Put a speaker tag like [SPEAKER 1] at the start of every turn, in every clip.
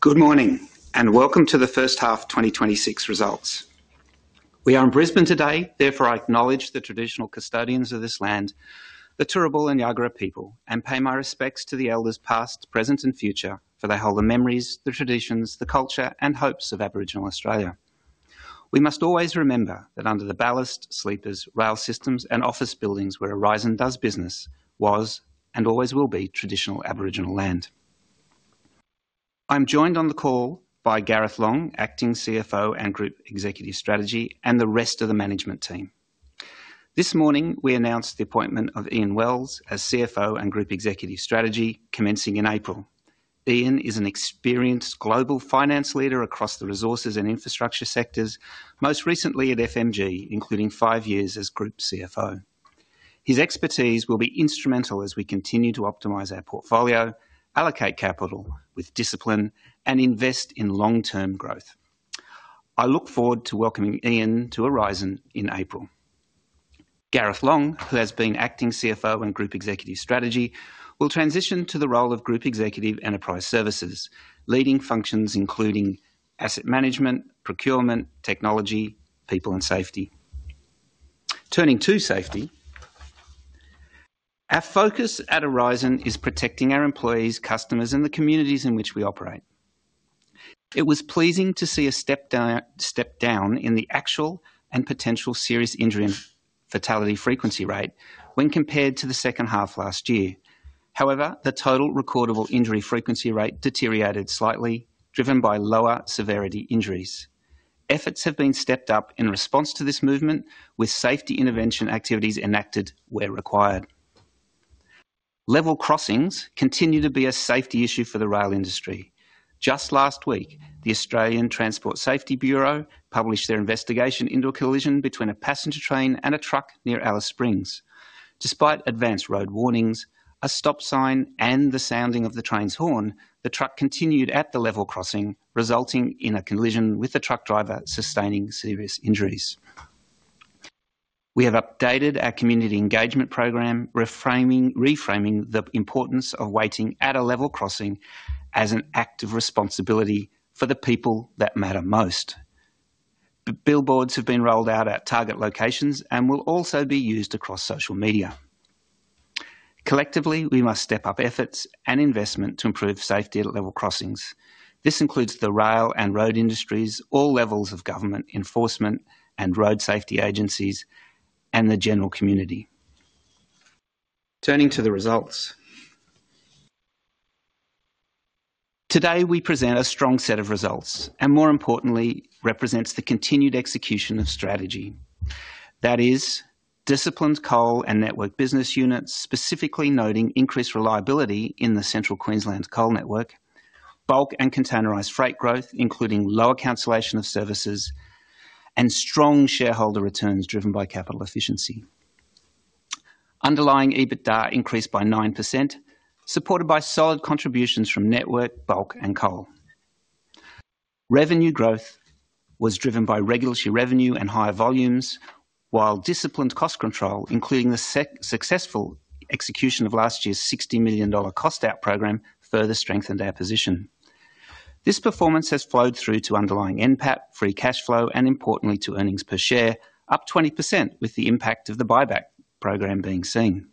[SPEAKER 1] Good morning, and welcome to the first half 2026 results. We are in Brisbane today, therefore, I acknowledge the traditional custodians of this land, the Turrbal and Jagera people, and pay my respects to the elders past, present, and future, for they hold the memories, the traditions, the culture, and hopes of Aboriginal Australia. We must always remember that under the ballast, sleepers, rail systems, and office buildings where Aurizon does business, was and always will be traditional Aboriginal land. I'm joined on the call by Gareth Long, Acting CFO and Group Executive Strategy, and the rest of the management team. This morning, we announced the appointment of Ian Wells as CFO and Group Executive Strategy, commencing in April. Ian is an experienced global finance leader across the resources and infrastructure sectors, most recently at FMG, including five years as Group CFO. His expertise will be instrumental as we continue to optimize our portfolio, allocate capital with discipline, and invest in long-term growth. I look forward to welcoming Ian to Aurizon in April. Gareth Long, who has been Acting CFO and Group Executive Strategy, will transition to the role of Group Executive Enterprise Services, leading functions including asset management, procurement, technology, people and safety. Turning to safety, our focus at Aurizon is protecting our employees, customers, and the communities in which we operate. It was pleasing to see a step down, step down in the actual and potential serious injury and fatality frequency rate when compared to the second half last year. However, the total recordable injury frequency rate deteriorated slightly, driven by lower severity injuries. Efforts have been stepped up in response to this movement, with safety intervention activities enacted where required. Level crossings continue to be a safety issue for the rail industry. Just last week, the Australian Transport Safety Bureau published their investigation into a collision between a passenger train and a truck near Alice Springs. Despite advanced road warnings, a stop sign, and the sounding of the train's horn, the truck continued at the level crossing, resulting in a collision, with the truck driver sustaining serious injuries. We have updated our community engagement program, reframing the importance of waiting at a level crossing as an act of responsibility for the people that matter most. The billboards have been rolled out at target locations and will also be used across social media. Collectively, we must step up efforts and investment to improve safety at level crossings. This includes the rail and road industries, all levels of government enforcement and road safety agencies, and the general community. Turning to the results. Today, we present a strong set of results, and more importantly, represents the continued execution of strategy. That is, disciplined coal and network business units, specifically noting increased reliability in the Central Queensland Coal Network, bulk and containerized freight growth, including lower cancellation of services, and strong shareholder returns driven by capital efficiency. Underlying EBITDA increased by 9%, supported by solid contributions from network, bulk, and coal. Revenue growth was driven by regulatory revenue and higher volumes, while disciplined cost control, including the successful execution of last year's 60 million dollar cost-out program, further strengthened our position. This performance has flowed through to underlying NPAT, free cash flow, and importantly, to earnings per share, up 20% with the impact of the buyback program being seen.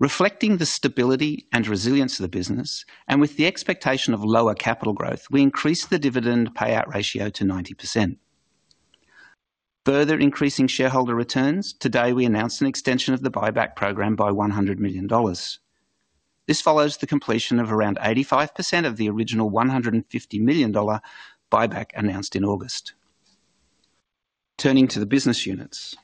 [SPEAKER 1] Reflecting the stability and resilience of the business, and with the expectation of lower capital growth, we increased the dividend payout ratio to 90%. Further increasing shareholder returns, today, we announced an extension of the buyback program by 100 million dollars. This follows the completion of around 85% of the original 150 million-dollar buyback announced in August. Turning to the business units.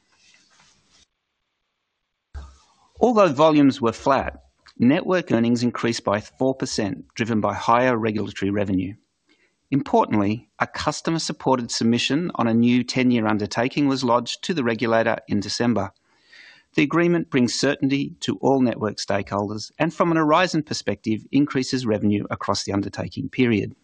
[SPEAKER 1] Although volumes were flat, network earnings increased by 4%, driven by higher regulatory revenue. Importantly, a customer-supported submission on a new 10-year undertaking was lodged to the regulator in December. The agreement brings certainty to all network stakeholders, and from an Aurizon perspective, increases revenue across the undertaking period.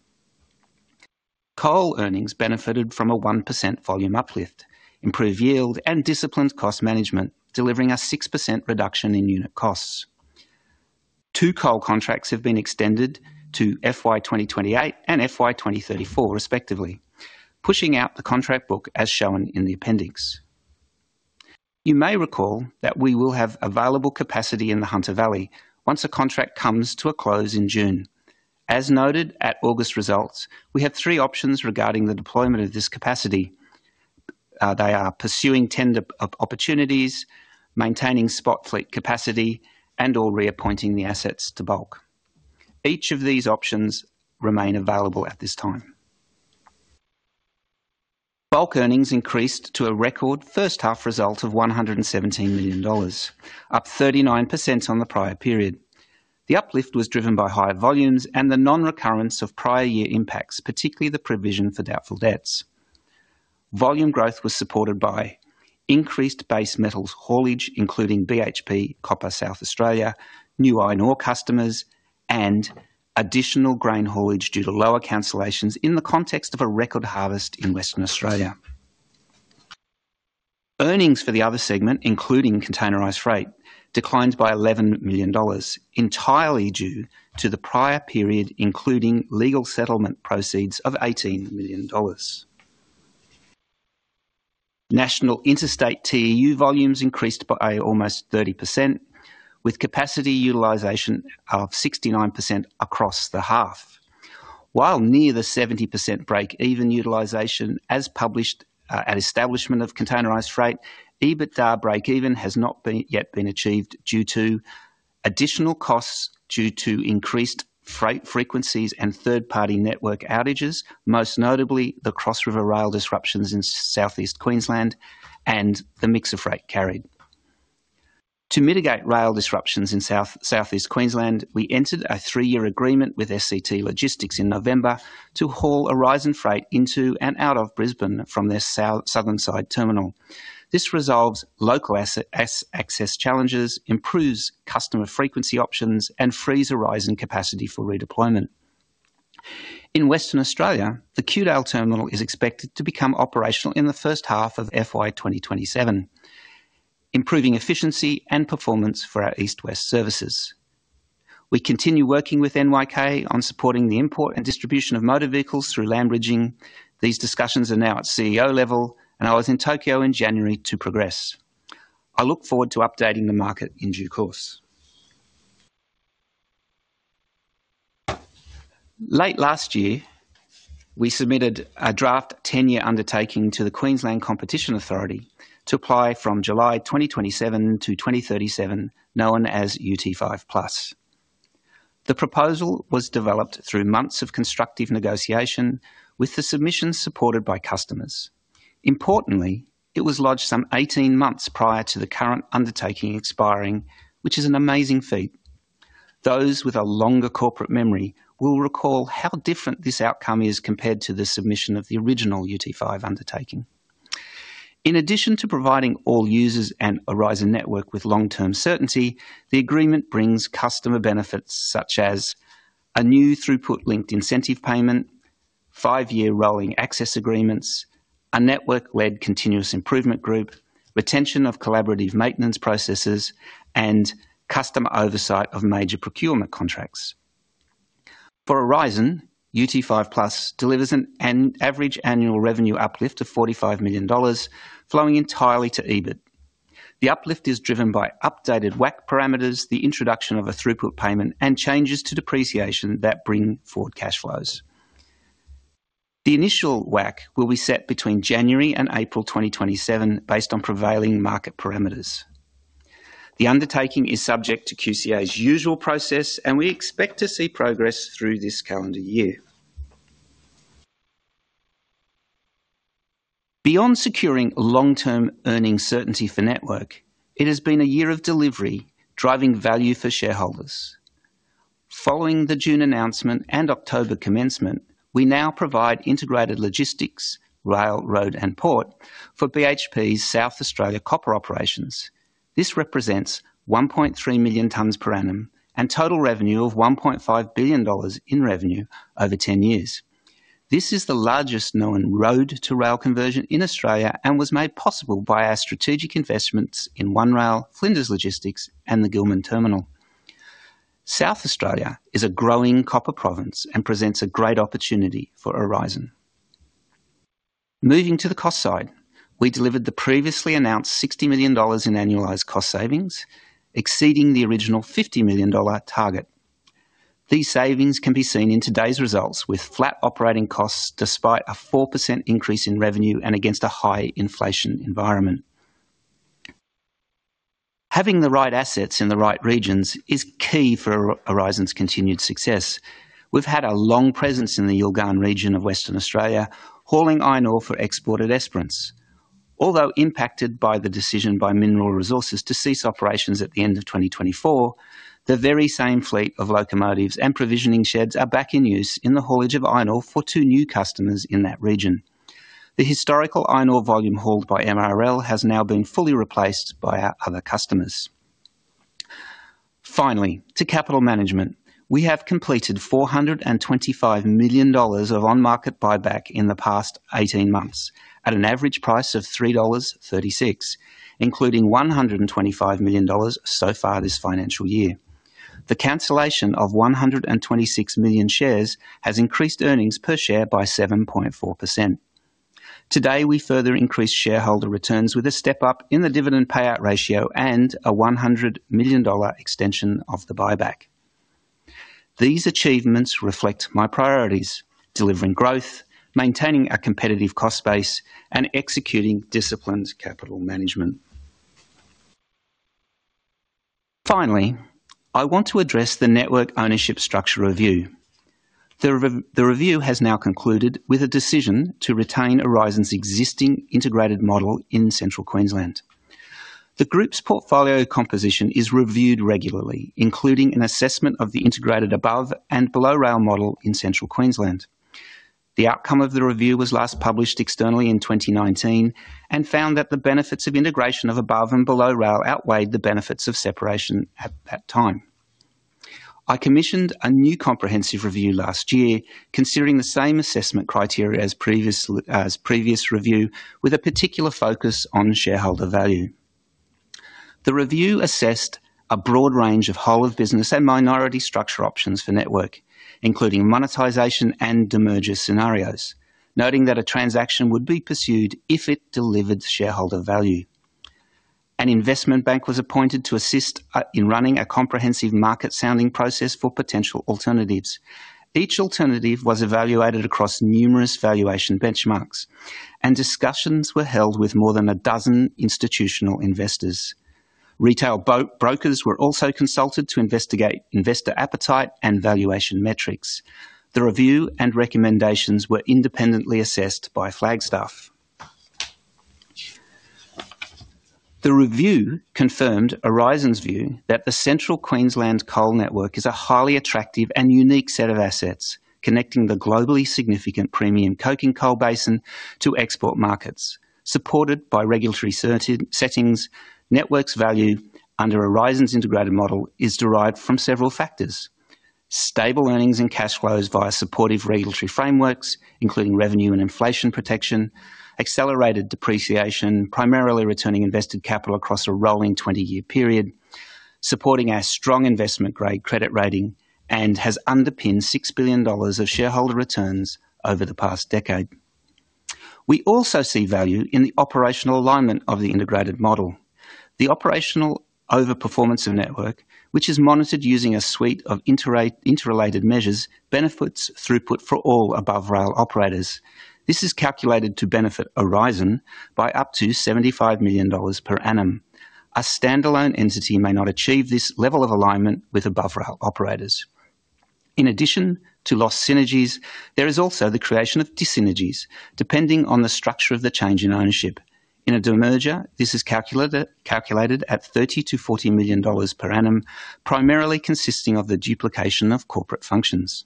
[SPEAKER 1] Coal earnings benefited from a 1% volume uplift, improved yield and disciplined cost management, delivering a 6% reduction in unit costs. Two coal contracts have been extended to FY 2028 and FY 2034, respectively, pushing out the contract book as shown in the appendix. You may recall that we will have available capacity in the Hunter Valley once a contract comes to a close in June. As noted at August results, we have three options regarding the deployment of this capacity. They are pursuing tender opportunities, maintaining spot fleet capacity, and/or reappointing the assets to bulk. Each of these options remain available at this time. Bulk earnings increased to a record first half result of 117 million dollars, up 39% on the prior period. The uplift was driven by higher volumes and the non-recurrence of prior year impacts, particularly the provision for doubtful debts. Volume growth was supported by increased base metals haulage, including BHP, Copper South Australia, new iron ore customers, and additional grain haulage due to lower cancellations in the context of a record harvest in Western Australia. Earnings for the other segment, including containerized freight, declined by AUD 11 million, entirely due to the prior period, including legal settlement proceeds of 18 million dollars. National Interstate TEU volumes increased by almost 30%, with capacity utilization of 69% across the half. While near the 70% break-even utilization as published at establishment of containerized freight, EBITDA break-even has not been, yet been achieved due to additional costs due to increased freight frequencies and third-party network outages, most notably the Cross River Rail disruptions in Southeast Queensland and the mix of freight carried. To mitigate rail disruptions in Southeast Queensland, we entered a three-year agreement with SCT Logistics in November to haul Aurizon freight into and out of Brisbane from their Southern side terminal. This resolves local asset access challenges, improves customer frequency options, and frees Aurizon capacity for redeployment. In Western Australia, the Kewdale terminal is expected to become operational in the first half of FY 2027, improving efficiency and performance for our East West services. We continue working with NYK on supporting the import and distribution of motor vehicles through land bridging. These discussions are now at CEO level, and I was in Tokyo in January to progress. I look forward to updating the market in due course. Late last year, we submitted a draft ten-year undertaking to the Queensland Competition Authority to apply from July 2027 to 2037, known as UT5 Plus. The proposal was developed through months of constructive negotiation with the submissions supported by customers. Importantly, it was lodged some 18 months prior to the current undertaking expiring, which is an amazing feat. Those with a longer corporate memory will recall how different this outcome is compared to the submission of the original UT5 undertaking. In addition to providing all users and Aurizon network with long-term certainty, the agreement brings customer benefits such as a new throughput-linked incentive payment, 5-year rolling access agreements, a network-led continuous improvement group, retention of collaborative maintenance processes, and customer oversight of major procurement contracts. For Aurizon, UT5 Plus delivers an average annual revenue uplift of 45 million dollars, flowing entirely to EBIT. The uplift is driven by updated WACC parameters, the introduction of a throughput payment, and changes to depreciation that bring forward cash flows. The initial WACC will be set between January and April 2027, based on prevailing market parameters. The undertaking is subject to QCA's usual process, and we expect to see progress through this calendar year. Beyond securing long-term earnings certainty for network, it has been a year of delivery, driving value for shareholders. Following the June announcement and October commencement, we now provide integrated logistics, rail, road, and port for BHP's South Australia copper operations. This represents 1.3 million tons per annum and total revenue of 1.5 billion dollars in revenue over 10 years. This is the largest known road-to-rail conversion in Australia, and was made possible by our strategic investments in One Rail, Flinders Logistics, and the Gillman Terminal. South Australia is a growing copper province and presents a great opportunity for Aurizon. Moving to the cost side, we delivered the previously announced 60 million dollars in annualized cost savings, exceeding the original 50 million dollar target. These savings can be seen in today's results, with flat operating costs despite a 4% increase in revenue and against a high inflation environment. Having the right assets in the right regions is key for Aurizon's continued success. We've had a long presence in the Yilgarn region of Western Australia, hauling iron ore for export at Esperance. Although impacted by the decision by Mineral Resources to cease operations at the end of 2024, the very same fleet of locomotives and provisioning sheds are back in use in the haulage of iron ore for two new customers in that region. The historical iron ore volume hauled by MRL has now been fully replaced by our other customers. Finally, to capital management. We have completed 425 million dollars of on-market buyback in the past 18 months, at an average price of 3.36 dollars, including 125 million dollars so far this financial year. The cancellation of 126 million shares has increased earnings per share by 7.4%. Today, we further increased shareholder returns with a step-up in the dividend payout ratio and a 100 million dollar extension of the buyback. These achievements reflect my priorities: delivering growth, maintaining a competitive cost base, and executing disciplined capital management. Finally, I want to address the network ownership structure review. The review has now concluded with a decision to retain Aurizon's existing integrated model in Central Queensland. The group's portfolio composition is reviewed regularly, including an assessment of the integrated above and below rail model in Central Queensland. The outcome of the review was last published externally in 2019, and found that the benefits of integration of above and below rail outweighed the benefits of separation at that time. I commissioned a new comprehensive review last year, considering the same assessment criteria as previous review, with a particular focus on shareholder value. The review assessed a broad range of whole of business and minority structure options for network, including monetization and demerger scenarios, noting that a transaction would be pursued if it delivered shareholder value. An investment bank was appointed to assist in running a comprehensive market sounding process for potential alternatives. Each alternative was evaluated across numerous valuation benchmarks, and discussions were held with more than 12 institutional investors. Retail brokers were also consulted to investigate investor appetite and valuation metrics. The review and recommendations were independently assessed by Flagstaff. The review confirmed Aurizon's view that the Central Queensland Coal Network is a highly attractive and unique set of assets, connecting the globally significant premium coking coal basin to export markets. Supported by regulatory certainties, network's value under Aurizon's integrated model is derived from several factors: stable earnings and cash flows via supportive regulatory frameworks, including revenue and inflation protection, accelerated depreciation, primarily returning invested capital across a rolling 20-year period, supporting our strong investment-grade credit rating, and has underpinned 6 billion dollars of shareholder returns over the past decade. We also see value in the operational alignment of the integrated model. The operational overperformance of network, which is monitored using a suite of interrelated measures, benefits throughput for all above rail operators. This is calculated to benefit Aurizon by up to 75 million dollars per annum. A standalone entity may not achieve this level of alignment with above rail operators. In addition to lost synergies, there is also the creation of dis-synergies, depending on the structure of the change in ownership. In a demerger, this is calculated at 30 million-40 million dollars per annum, primarily consisting of the duplication of corporate functions.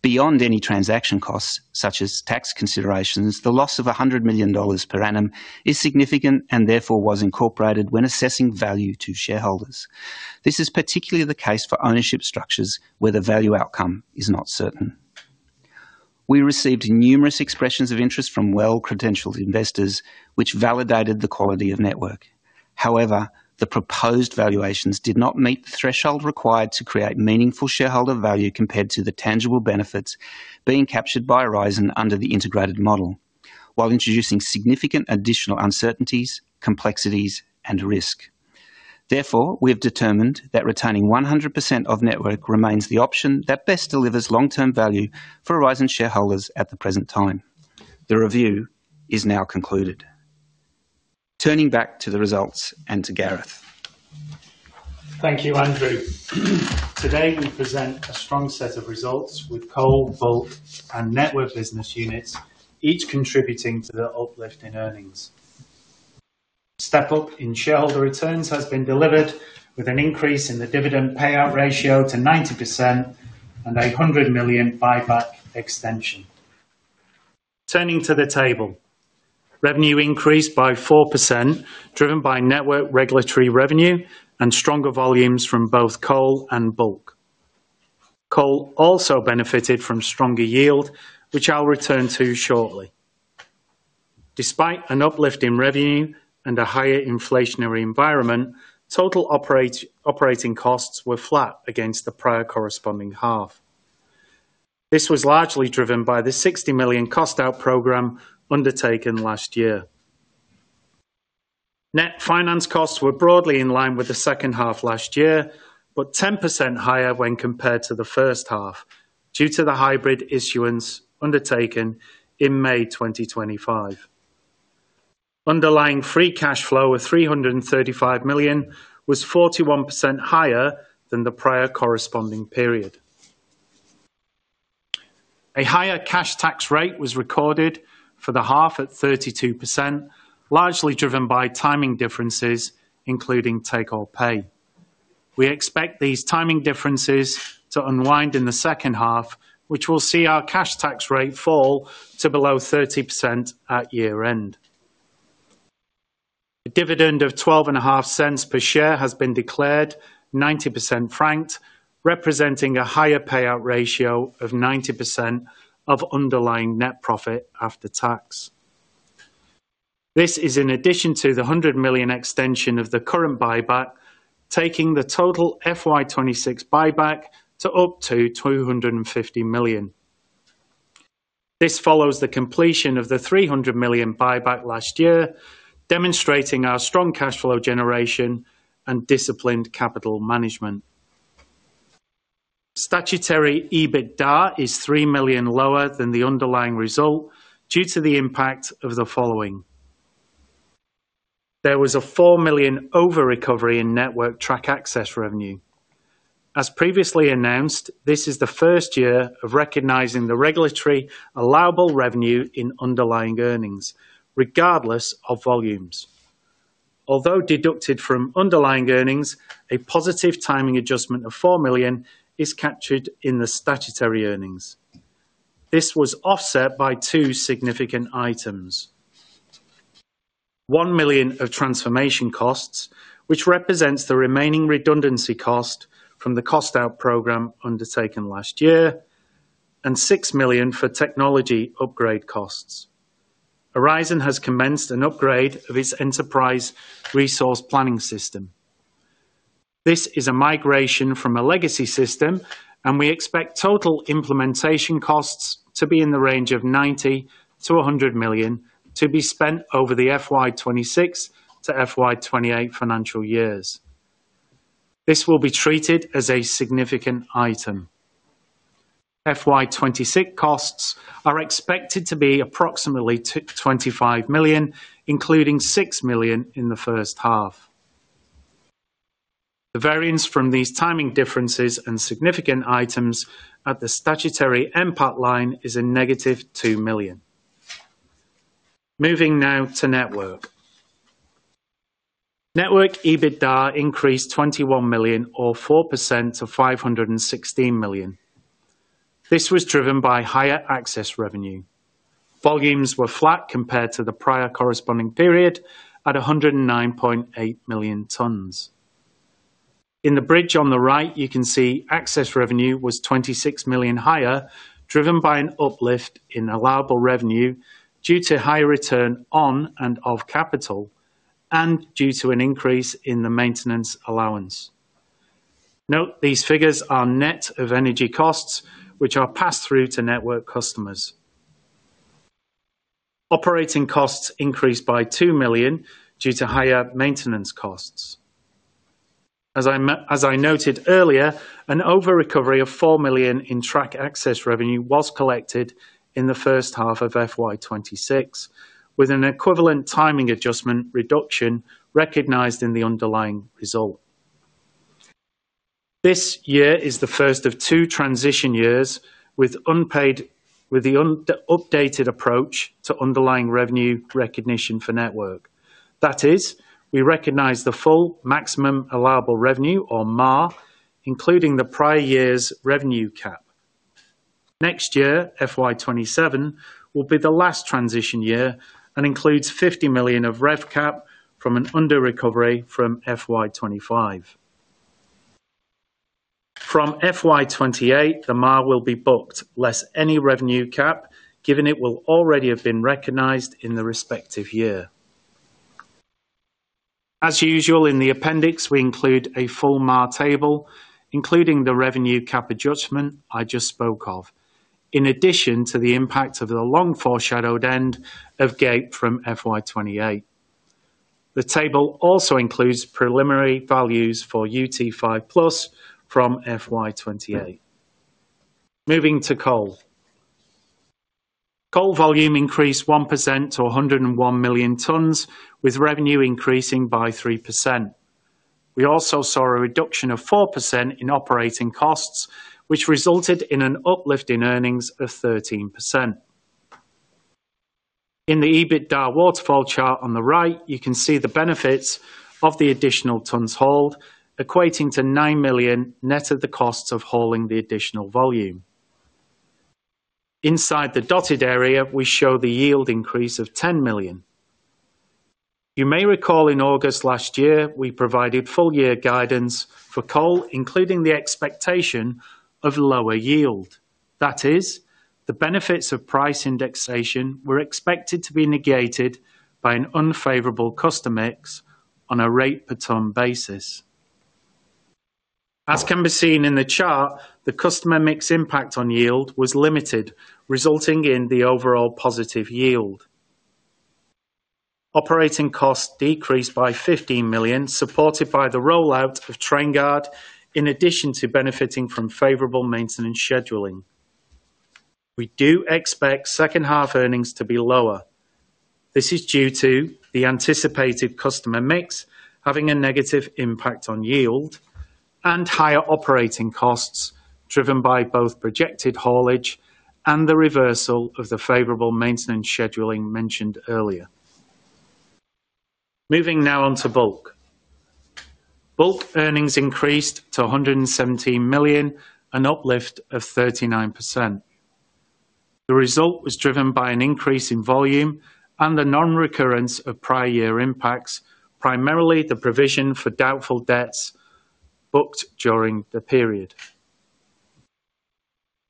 [SPEAKER 1] Beyond any transaction costs, such as tax considerations, the loss of 100 million dollars per annum is significant and therefore was incorporated when assessing value to shareholders. This is particularly the case for ownership structures, where the value outcome is not certain. We received numerous expressions of interest from well-credentialed investors, which validated the quality of network. However, the proposed valuations did not meet the threshold required to create meaningful shareholder value compared to the tangible benefits being captured by Aurizon under the integrated model, while introducing significant additional uncertainties, complexities, and risk. Therefore, we have determined that retaining 100% of network remains the option that best delivers long-term value for Aurizon shareholders at the present time. The review is now concluded. Turning back to the results and to Gareth.
[SPEAKER 2] Thank you, Andrew. Today, we present a strong set of results with coal, bulk, and network business units, each contributing to the uplift in earnings. Step up in shareholder returns has been delivered with an increase in the dividend payout ratio to 90% and 100 million buyback extension. Turning to the table, revenue increased by 4%, driven by network regulatory revenue and stronger volumes from both coal and bulk. Coal also benefited from stronger yield, which I'll return to shortly. Despite an uplift in revenue and a higher inflationary environment, total operating costs were flat against the prior corresponding half. This was largely driven by the 60 million cost out program undertaken last year. Net finance costs were broadly in line with the second half last year, but 10% higher when compared to the first half, due to the hybrid issuance undertaken in May 2025. Underlying free cash flow of 335 million was 41% higher than the prior corresponding period. A higher cash tax rate was recorded for the half at 32%, largely driven by timing differences, including take or pay. We expect these timing differences to unwind in the second half, which will see our cash tax rate fall to below 30% at year end. A dividend of 0.125 per share has been declared 90% franked, representing a higher payout ratio of 90% of underlying net profit after tax. This is in addition to the 100 million extension of the current buyback, taking the total FY 2026 buyback to up to 250 million. This follows the completion of the 300 million buyback last year, demonstrating our strong cash flow generation and disciplined capital management. Statutory EBITDA is 3 million lower than the underlying result due to the impact of the following. There was a 4 million over-recovery in network track access revenue. As previously announced, this is the first year of recognizing the regulatory allowable revenue in underlying earnings, regardless of volumes. Although deducted from underlying earnings, a positive timing adjustment of 4 million is captured in the statutory earnings. This was offset by 2 significant items: 1 million of transformation costs, which represents the remaining redundancy cost from the cost out program undertaken last year, and 6 million for technology upgrade costs. Aurizon has commenced an upgrade of its enterprise resource planning system. This is a migration from a legacy system, and we expect total implementation costs to be in the range of 90 million-100 million, to be spent over the FY 2026 to FY 2028 financial years. This will be treated as a significant item. FY26 costs are expected to be approximately 25 million, including 6 million in the first half. The variance from these timing differences and significant items at the statutory NPAT line is -2 million. Moving now to network. Network EBITDA increased 21 million or 4% to 516 million. This was driven by higher access revenue. Volumes were flat compared to the prior corresponding period at 109.8 million tons. In the bridge on the right, you can see access revenue was 26 million higher, driven by an uplift in allowable revenue due to high return on and of capital, and due to an increase in the maintenance allowance. Note, these figures are net of energy costs, which are passed through to network customers. Operating costs increased by 2 million due to higher maintenance costs. As I noted earlier, an over-recovery of 4 million in track access revenue was collected in the first half of FY 2026, with an equivalent timing adjustment reduction recognized in the underlying result. This year is the first of two transition years with the updated approach to underlying revenue recognition for network. That is, we recognize the full maximum allowable revenue or MAR, including the prior year's revenue cap. Next year, FY 2027, will be the last transition year and includes 50 million of rev cap from an under recovery from FY 2025. From FY 2028, the MAR will be booked, less any revenue cap, given it will already have been recognized in the respective year. As usual, in the appendix, we include a full MAR table, including the revenue cap adjustment I just spoke of, in addition to the impact of the long-foreshadowed end of GAPE from FY 2028. The table also includes preliminary values for UT5 Plus from FY 2028. Moving to coal. Coal volume increased 1% to 101 million tons, with revenue increasing by 3%. We also saw a reduction of 4% in operating costs, which resulted in an uplift in earnings of 13%. In the EBITDA waterfall chart on the right, you can see the benefits of the additional tons hauled, equating to 9 million, net of the costs of hauling the additional volume. Inside the dotted area, we show the yield increase of 10 million. You may recall in August last year, we provided full year guidance for coal, including the expectation of lower yield. That is, the benefits of price indexation were expected to be negated by an unfavorable customer mix on a rate per ton basis. As can be seen in the chart, the customer mix impact on yield was limited, resulting in the overall positive yield. Operating costs decreased by 15 million, supported by the rollout of Trainguard, in addition to benefiting from favorable maintenance scheduling. We do expect second half earnings to be lower. This is due to the anticipated customer mix having a negative impact on yield and higher operating costs, driven by both projected haulage and the reversal of the favorable maintenance scheduling mentioned earlier. Moving now on to bulk. Bulk earnings increased to 117 million, an uplift of 39%. The result was driven by an increase in volume and the non-recurrence of prior year impacts, primarily the provision for doubtful debts booked during the period.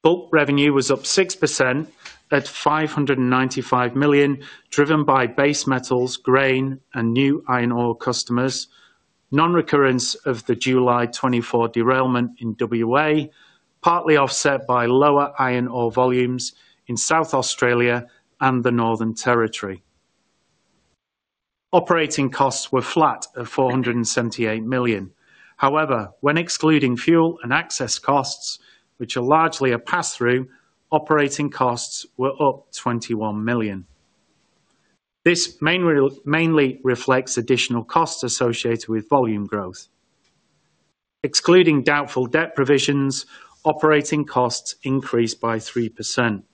[SPEAKER 2] Bulk revenue was up 6% at 595 million, driven by base metals, grain, and new iron ore customers. Non-recurrence of the July 2024 derailment in WA, partly offset by lower iron ore volumes in South Australia and the Northern Territory. Operating costs were flat at 478 million. However, when excluding fuel and access costs, which are largely a pass-through, operating costs were up 21 million. This mainly reflects additional costs associated with volume growth. Excluding doubtful debt provisions, operating costs increased by 3%.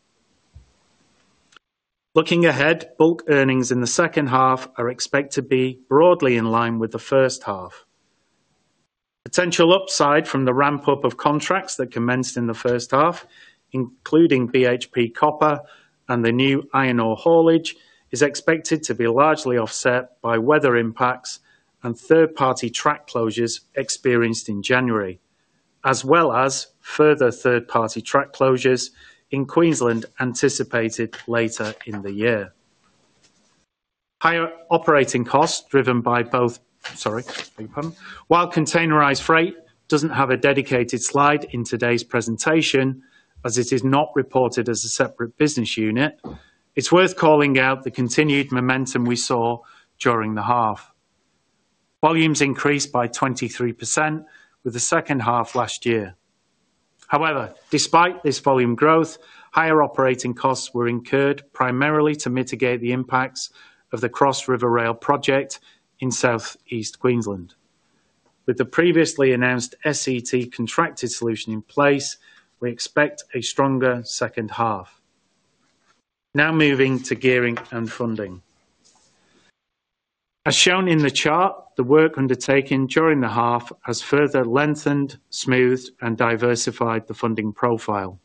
[SPEAKER 2] Looking ahead, bulk earnings in the second half are expected to be broadly in line with the first half. Potential upside from the ramp-up of contracts that commenced in the first half, including BHP Copper and the new iron ore haulage, is expected to be largely offset by weather impacts and third-party track closures experienced in January, as well as further third-party track closures in Queensland, anticipated later in the year. Higher operating costs, driven by both. Sorry. While containerized freight doesn't have a dedicated slide in today's presentation, as it is not reported as a separate business unit, it's worth calling out the continued momentum we saw during the half. Volumes increased by 23% with the second half last year. However, despite this volume growth, higher operating costs were incurred primarily to mitigate the impacts of the Cross River Rail project in Southeast Queensland. With the previously announced SET contracted solution in place, we expect a stronger second half. Now moving to gearing and funding. As shown in the chart, the work undertaken during the half has further lengthened, smoothed, and diversified the funding profile.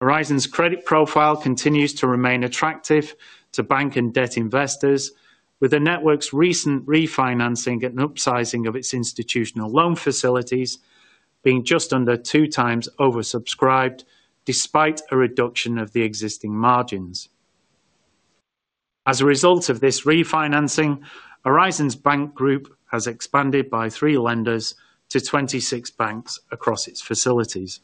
[SPEAKER 2] Aurizon's credit profile continues to remain attractive to bank and debt investors, with the network's recent refinancing and upsizing of its institutional loan facilities being just under two times oversubscribed, despite a reduction of the existing margins. As a result of this refinancing, Aurizon's bank group has expanded by three lenders to 26 banks across its facilities.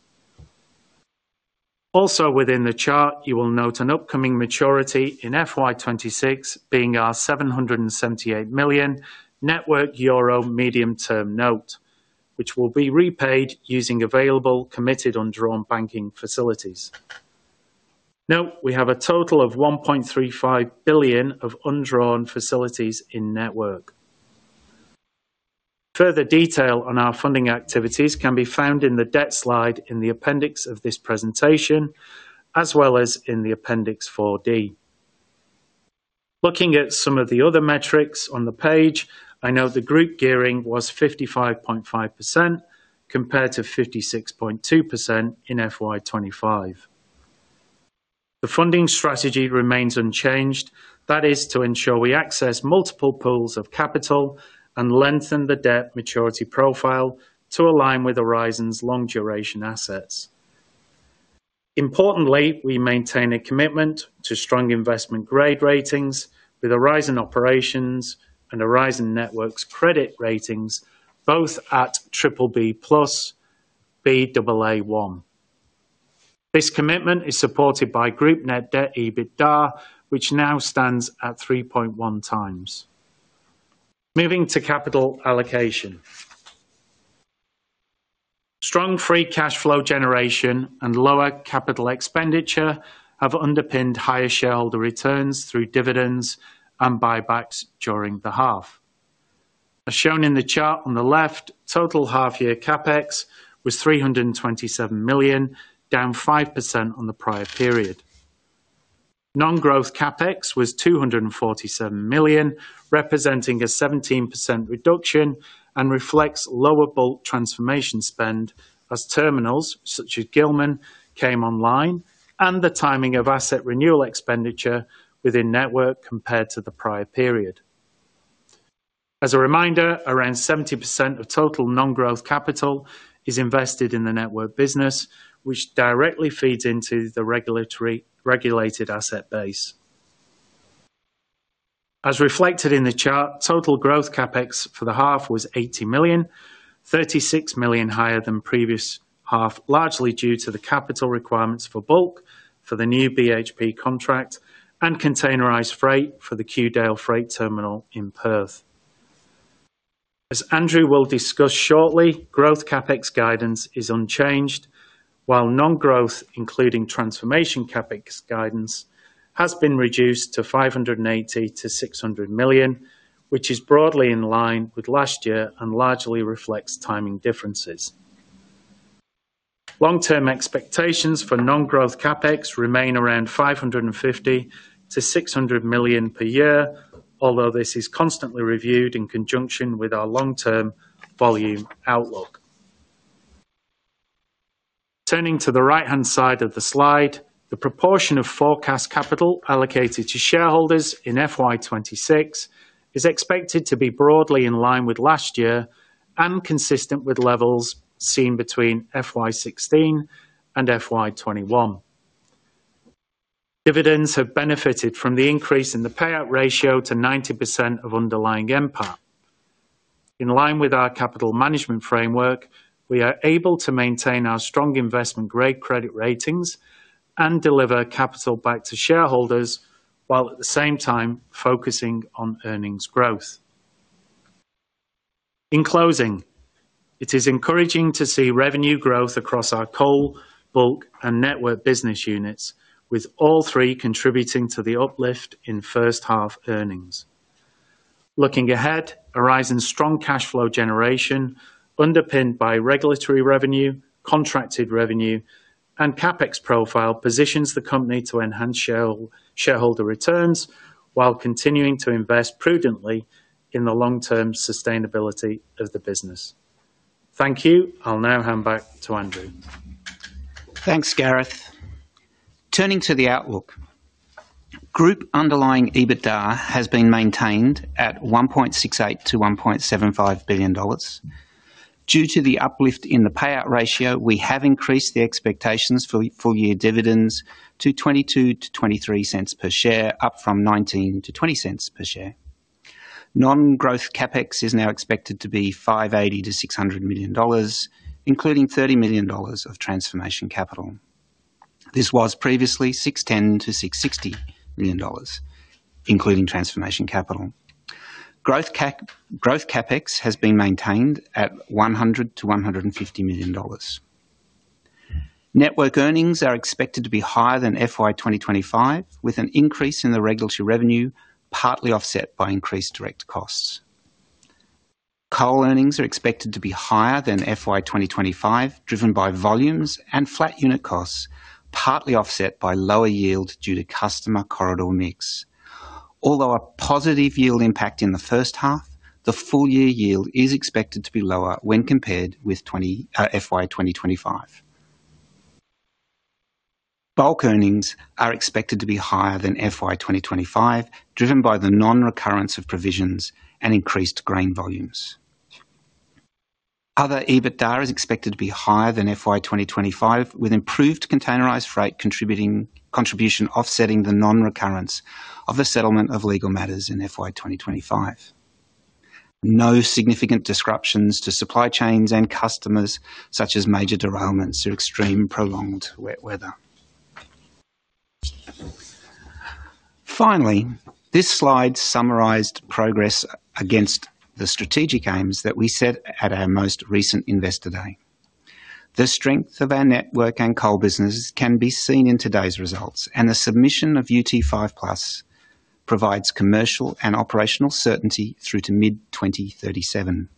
[SPEAKER 2] Also, within the chart, you will note an upcoming maturity in FY 2026, being our 778 million network euro medium-term note, which will be repaid using available, committed undrawn banking facilities. Now, we have a total of 1.35 billion of undrawn facilities in network. Further detail on our funding activities can be found in the debt slide in the appendix of this presentation, as well as in the Appendix 4D. Looking at some of the other metrics on the page, I know the group gearing was 55.5%, compared to 56.2% in FY25. The funding strategy remains unchanged. That is to ensure we access multiple pools of capital and lengthen the debt maturity profile to align with Aurizon's long duration assets. Importantly, we maintain a commitment to strong investment-grade ratings with Aurizon Operations and Aurizon Networks credit ratings, both at BBB+ and Baa1. This commitment is supported by group net debt to EBITDA, which now stands at 3.1 times. Moving to capital allocation. Strong free cash flow generation and lower capital expenditure have underpinned higher shareholder returns through dividends and buybacks during the half. As shown in the chart on the left, total half-year CapEx was 327 million, down 5% on the prior period. Non-growth CapEx was 247 million, representing a 17% reduction, and reflects lower bulk transformation spend as terminals such as Gillman came online, and the timing of asset renewal expenditure within network compared to the prior period. As a reminder, around 70% of total non-growth capital is invested in the network business, which directly feeds into the regulated asset base. As reflected in the chart, total growth CapEx for the half was 80 million, 36 million higher than previous half, largely due to the capital requirements for bulk, for the new BHP contract, and containerized freight for the Kewdale Freight Terminal in Perth. As Andrew will discuss shortly, growth CapEx guidance is unchanged, while non-growth, including transformation CapEx guidance, has been reduced to 500 million-600 million, which is broadly in line with last year and largely reflects timing differences. Long-term expectations for non-growth CapEx remain around 550 million-600 million per year, although this is constantly reviewed in conjunction with our long-term volume outlook. Turning to the right-hand side of the slide, the proportion of forecast capital allocated to shareholders in FY 2026 is expected to be broadly in line with last year and consistent with levels seen between FY 2016 and FY 2021. Dividends have benefited from the increase in the payout ratio to 90% of underlying NPAT. In line with our capital management framework, we are able to maintain our strong investment-grade credit ratings and deliver capital back to shareholders, while at the same time focusing on earnings growth. In closing, it is encouraging to see revenue growth across our coal, bulk, and network business units, with all three contributing to the uplift in first half earnings. Looking ahead, Aurizon's strong cash flow generation, underpinned by regulatory revenue, contracted revenue, and CapEx profile, positions the company to enhance shareholder returns, while continuing to invest prudently in the long-term sustainability of the business. Thank you. I'll now hand back to Andrew.
[SPEAKER 1] Thanks, Gareth. Turning to the outlook. Group underlying EBITDA has been maintained at 1.68 billion-1.75 billion dollars. Due to the uplift in the payout ratio, we have increased the expectations for the full-year dividends to 0.22-0.23 per share, up from 0.19-0.20 per share. Non-growth CapEx is now expected to be 580 million-600 million dollars, including 30 million dollars of transformation capital. This was previously 610 million-660 million dollars, including transformation capital. Growth CapEx has been maintained at 100 million-150 million dollars. Network earnings are expected to be higher than FY 2025, with an increase in the regulatory revenue, partly offset by increased direct costs. Coal earnings are expected to be higher than FY 2025, driven by volumes and flat unit costs, partly offset by lower yield due to customer corridor mix. Although a positive yield impact in the first half, the full-year yield is expected to be lower when compared with twenty, FY 2025. Bulk earnings are expected to be higher than FY 2025, driven by the non-recurrence of provisions and increased grain volumes. Other EBITDA is expected to be higher than FY 2025, with improved containerized freight contributing, contribution offsetting the non-recurrence of the settlement of legal matters in FY 2025. No significant disruptions to supply chains and customers, such as major derailments or extreme prolonged wet weather. Finally, this slide summarized progress against the strategic aims that we set at our most recent Investor Day. The strength of our network and coal businesses can be seen in today's results, and the submission of UT5 Plus provides commercial and operational certainty through to mid-2037.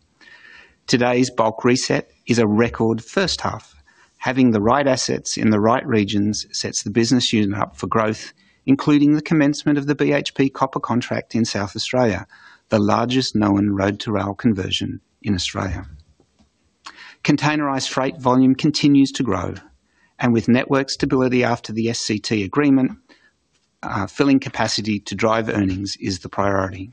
[SPEAKER 1] Today's bulk reset is a record first half. Having the right assets in the right regions sets the business unit up for growth, including the commencement of the BHP copper contract in South Australia, the largest known road-to-rail conversion in Australia. Containerized freight volume continues to grow, and with network stability after the SCT agreement, filling capacity to drive earnings is the priority.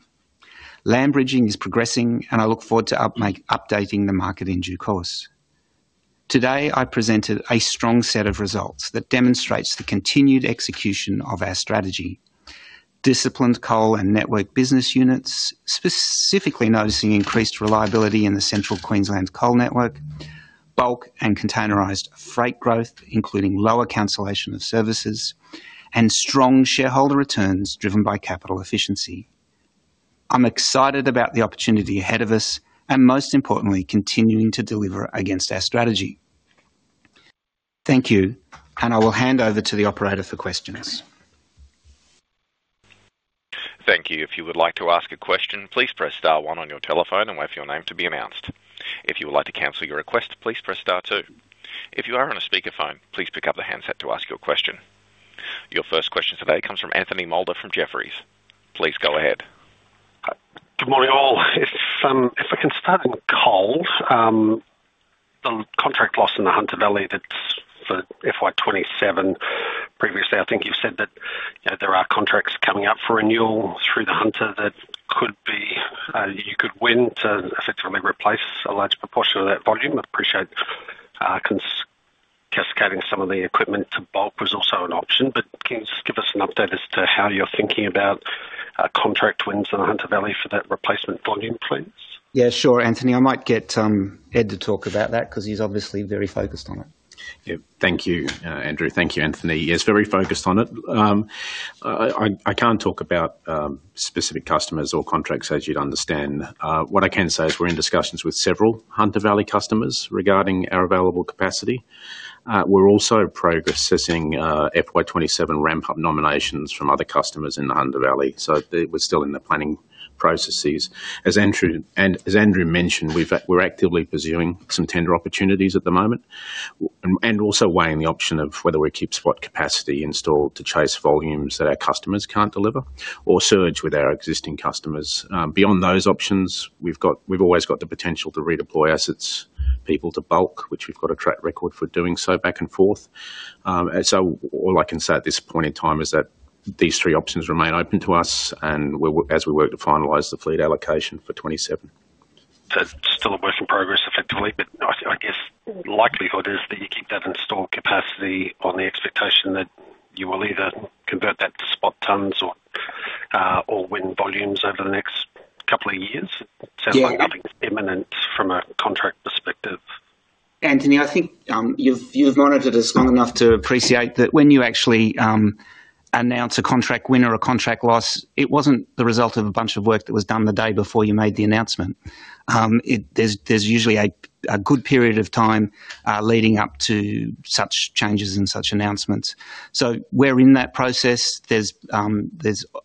[SPEAKER 1] Land bridging is progressing, and I look forward to updating the market in due course. Today, I presented a strong set of results that demonstrates the continued execution of our strategy. Disciplined Coal and Network business units, specifically noticing increased reliability in the Central Queensland Coal Network, bulk and containerized freight growth, including lower cancellation of services, and strong shareholder returns driven by capital efficiency. I'm excited about the opportunity ahead of us, and most importantly, continuing to deliver against our strategy. Thank you, and I will hand over to the operator for questions.
[SPEAKER 3] Thank you. If you would like to ask a question, please press star one on your telephone and wait for your name to be announced. If you would like to cancel your request, please press star two. If you are on a speakerphone, please pick up the handset to ask your question. Your first question today comes from Anthony Mulder from Jefferies. Please go ahead.
[SPEAKER 4] Good morning, all. If I can start on coal, the contract loss in the Hunter Valley, that's for FY 27. Previously, I think you've said that, you know, there are contracts coming up for renewal through the Hunter that could be, you could win to effectively replace a large proportion of that volume. I'd appreciate, cascading some of the equipment to bulk was also an option, but can you just give us an update as to how you're thinking about, contract wins in the Hunter Valley for that replacement volume, please?
[SPEAKER 1] Yeah, sure, Anthony. I might get, Ed to talk about that, 'cause he's obviously very focused on it.
[SPEAKER 5] Yeah. Thank you, Andrew. Thank you, Anthony. Yes, very focused on it. I can't talk about specific customers or contracts, as you'd understand. What I can say is we're in discussions with several Hunter Valley customers regarding our available capacity. We're also progressing FY 2027 ramp-up nominations from other customers in the Hunter Valley, so we're still in the planning processes. As Andrew mentioned, we're actively pursuing some tender opportunities at the moment, and also weighing the option of whether we keep spot capacity installed to chase volumes that our customers can't deliver, or surge with our existing customers. Beyond those options, we've always got the potential to redeploy assets, people to bulk, which we've got a track record for doing so back and forth. So all I can say at this point in time is that these three options remain open to us, and we're as we work to finalize the fleet allocation for 27.
[SPEAKER 4] So still a work in progress, effectively, but I guess, likelihood is that you keep that installed capacity on the expectation that you will either convert that to spot tons or win volumes over the next couple of years?
[SPEAKER 1] Yeah-
[SPEAKER 4] Sounds like nothing's imminent from a contract perspective.
[SPEAKER 1] Anthony, I think you've monitored us long enough to appreciate that when you actually announce a contract win or a contract loss, it wasn't the result of a bunch of work that was done the day before you made the announcement. There's usually a good period of time leading up to such changes and such announcements. So we're in that process. There's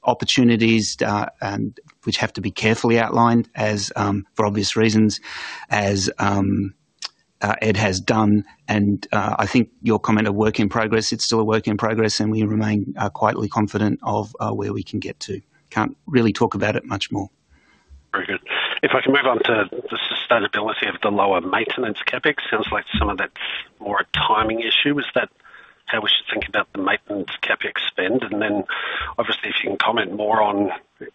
[SPEAKER 1] opportunities and which have to be carefully outlined as for obvious reasons, as Ed has done. And I think your comment, a work in progress, it's still a work in progress, and we remain quietly confident of where we can get to. Can't really talk about it much more....
[SPEAKER 4] If I can move on to the sustainability of the lower maintenance CapEx, sounds like some of that's more a timing issue. Is that how we should think about the maintenance CapEx spend? And then, obviously, if you can comment more on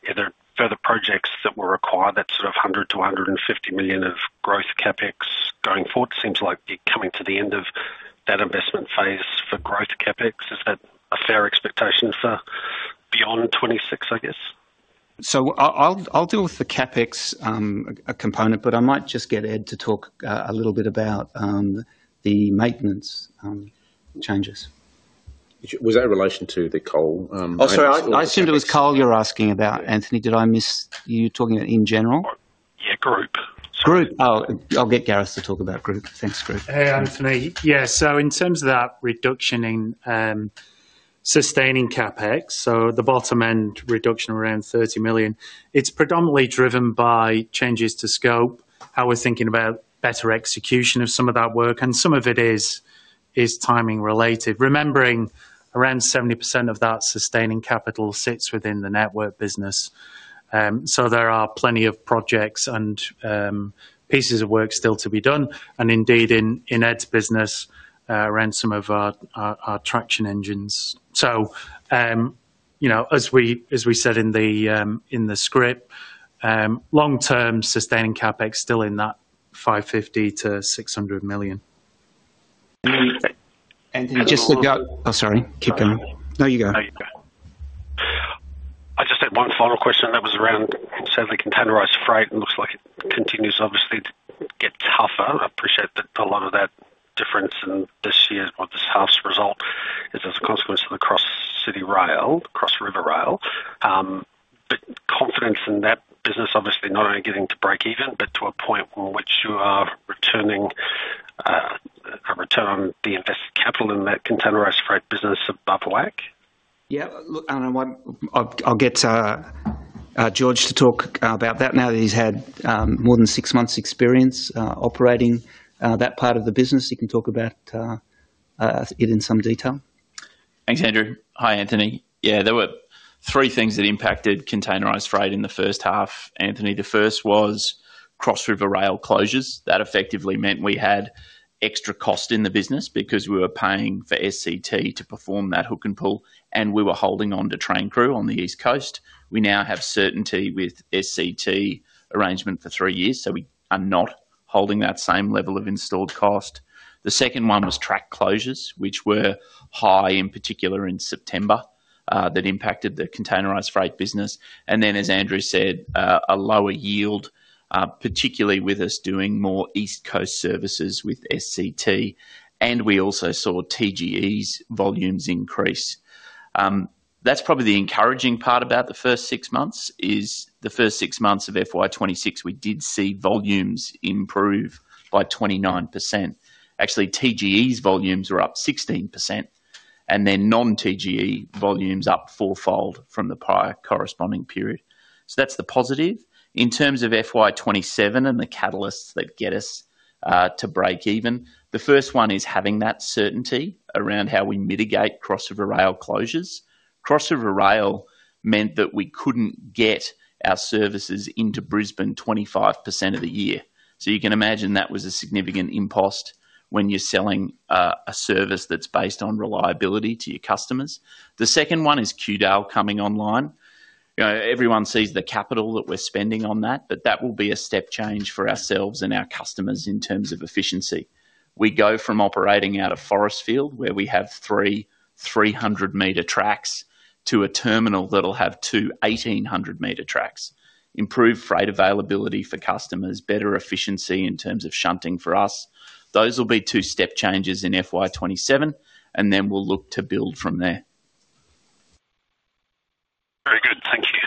[SPEAKER 4] are there further projects that were required, that sort of 100 million-150 million of growth CapEx going forward? Seems like you're coming to the end of that investment phase for growth CapEx. Is that a fair expectation for beyond 2026, I guess?
[SPEAKER 1] So I'll deal with the CapEx component, but I might just get Ed to talk a little bit about the maintenance changes.
[SPEAKER 5] Was that in relation to the coal?
[SPEAKER 1] Oh, sorry, I assumed it was coal you're asking about, Anthony. Did I miss you talking in general?
[SPEAKER 4] Yeah, group.
[SPEAKER 1] Group. Oh, I'll get Gareth to talk about group. Thanks, group.
[SPEAKER 2] Hey, Anthony. Yeah, so in terms of that reduction in sustaining CapEx, so the bottom end reduction around 30 million, it's predominantly driven by changes to scope, how we're thinking about better execution of some of that work, and some of it is timing-related. Remembering around 70% of that sustaining capital sits within the network business. So there are plenty of projects and pieces of work still to be done, and indeed, in Ed's business, around some of our traction engines. So, you know, as we said in the script, long-term sustaining CapEx still in that 550 million-600 million.
[SPEAKER 4] And just to go-
[SPEAKER 1] Oh, sorry. Keep going. No, you go.
[SPEAKER 4] I just had one final question that was around, sadly, containerized freight. It looks like it continues, obviously, to get tougher. I appreciate that a lot of that difference in this year's or this half's result is as a consequence of the Cross River Rail. But confidence in that business, obviously not only getting to break even, but to a point in which you are returning a return on the invested capital in that containerized freight business above the WACC.
[SPEAKER 1] Yeah. Look, I don't know what... I'll get George to talk about that now that he's had more than six months' experience operating that part of the business. He can talk about it in some detail.
[SPEAKER 6] Thanks, Andrew. Hi, Anthony. Yeah, there were three things that impacted containerized freight in the first half, Anthony. The first was Cross River Rail closures. That effectively meant we had extra cost in the business because we were paying for SCT to perform that hook and pool, and we were holding on to train crew on the East Coast. We now have certainty with SCT arrangement for three years, so we are not holding that same level of installed cost. The second one was track closures, which were high, in particular in September, that impacted the containerized freight business. And then, as Andrew said, a lower yield, particularly with us doing more East Coast services with SCT, and we also saw TGE's volumes increase. That's probably the encouraging part about the first six months, is the first six months of FY 2026, we did see volumes improve by 29%. Actually, TGE's volumes are up 16%, and then non-TGE volumes up fourfold from the prior corresponding period. So that's the positive. In terms of FY 2027 and the catalysts that get us to break even, the first one is having that certainty around how we mitigate Cross River Rail closures. Cross River Rail meant that we couldn't get our services into Brisbane 25% of the year. So you can imagine that was a significant impost when you're selling a service that's based on reliability to your customers. The second one is Kewdale coming online. You know, everyone sees the capital that we're spending on that, but that will be a step change for ourselves and our customers in terms of efficiency. We go from operating out of Forestfield, where we have three 300-meter tracks, to a terminal that'll have two 1,800-meter tracks. Improved freight availability for customers, better efficiency in terms of shunting for us. Those will be two step changes in FY 2027, and then we'll look to build from there.
[SPEAKER 4] Very good. Thank you.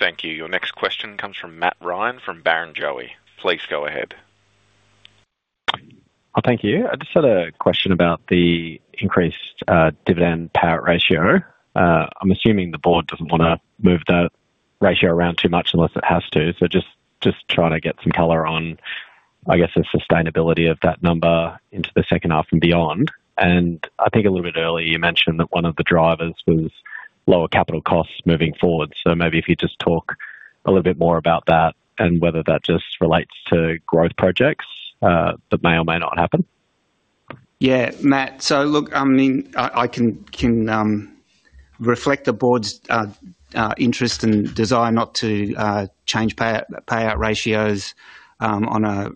[SPEAKER 3] Thank you. Your next question comes from Matt Ryan, from Barrenjoey. Please go ahead.
[SPEAKER 7] Oh, thank you. I just had a question about the increased dividend payout ratio. I'm assuming the board doesn't wanna move the ratio around too much unless it has to, so just trying to get some color on, I guess, the sustainability of that number into the second half and beyond. And I think a little bit earlier, you mentioned that one of the drivers was lower capital costs moving forward. So maybe if you just talk a little bit more about that and whether that just relates to growth projects that may or may not happen.
[SPEAKER 1] Yeah, Matt. So look, I mean, I can reflect the board's interest and desire not to change payout ratios on a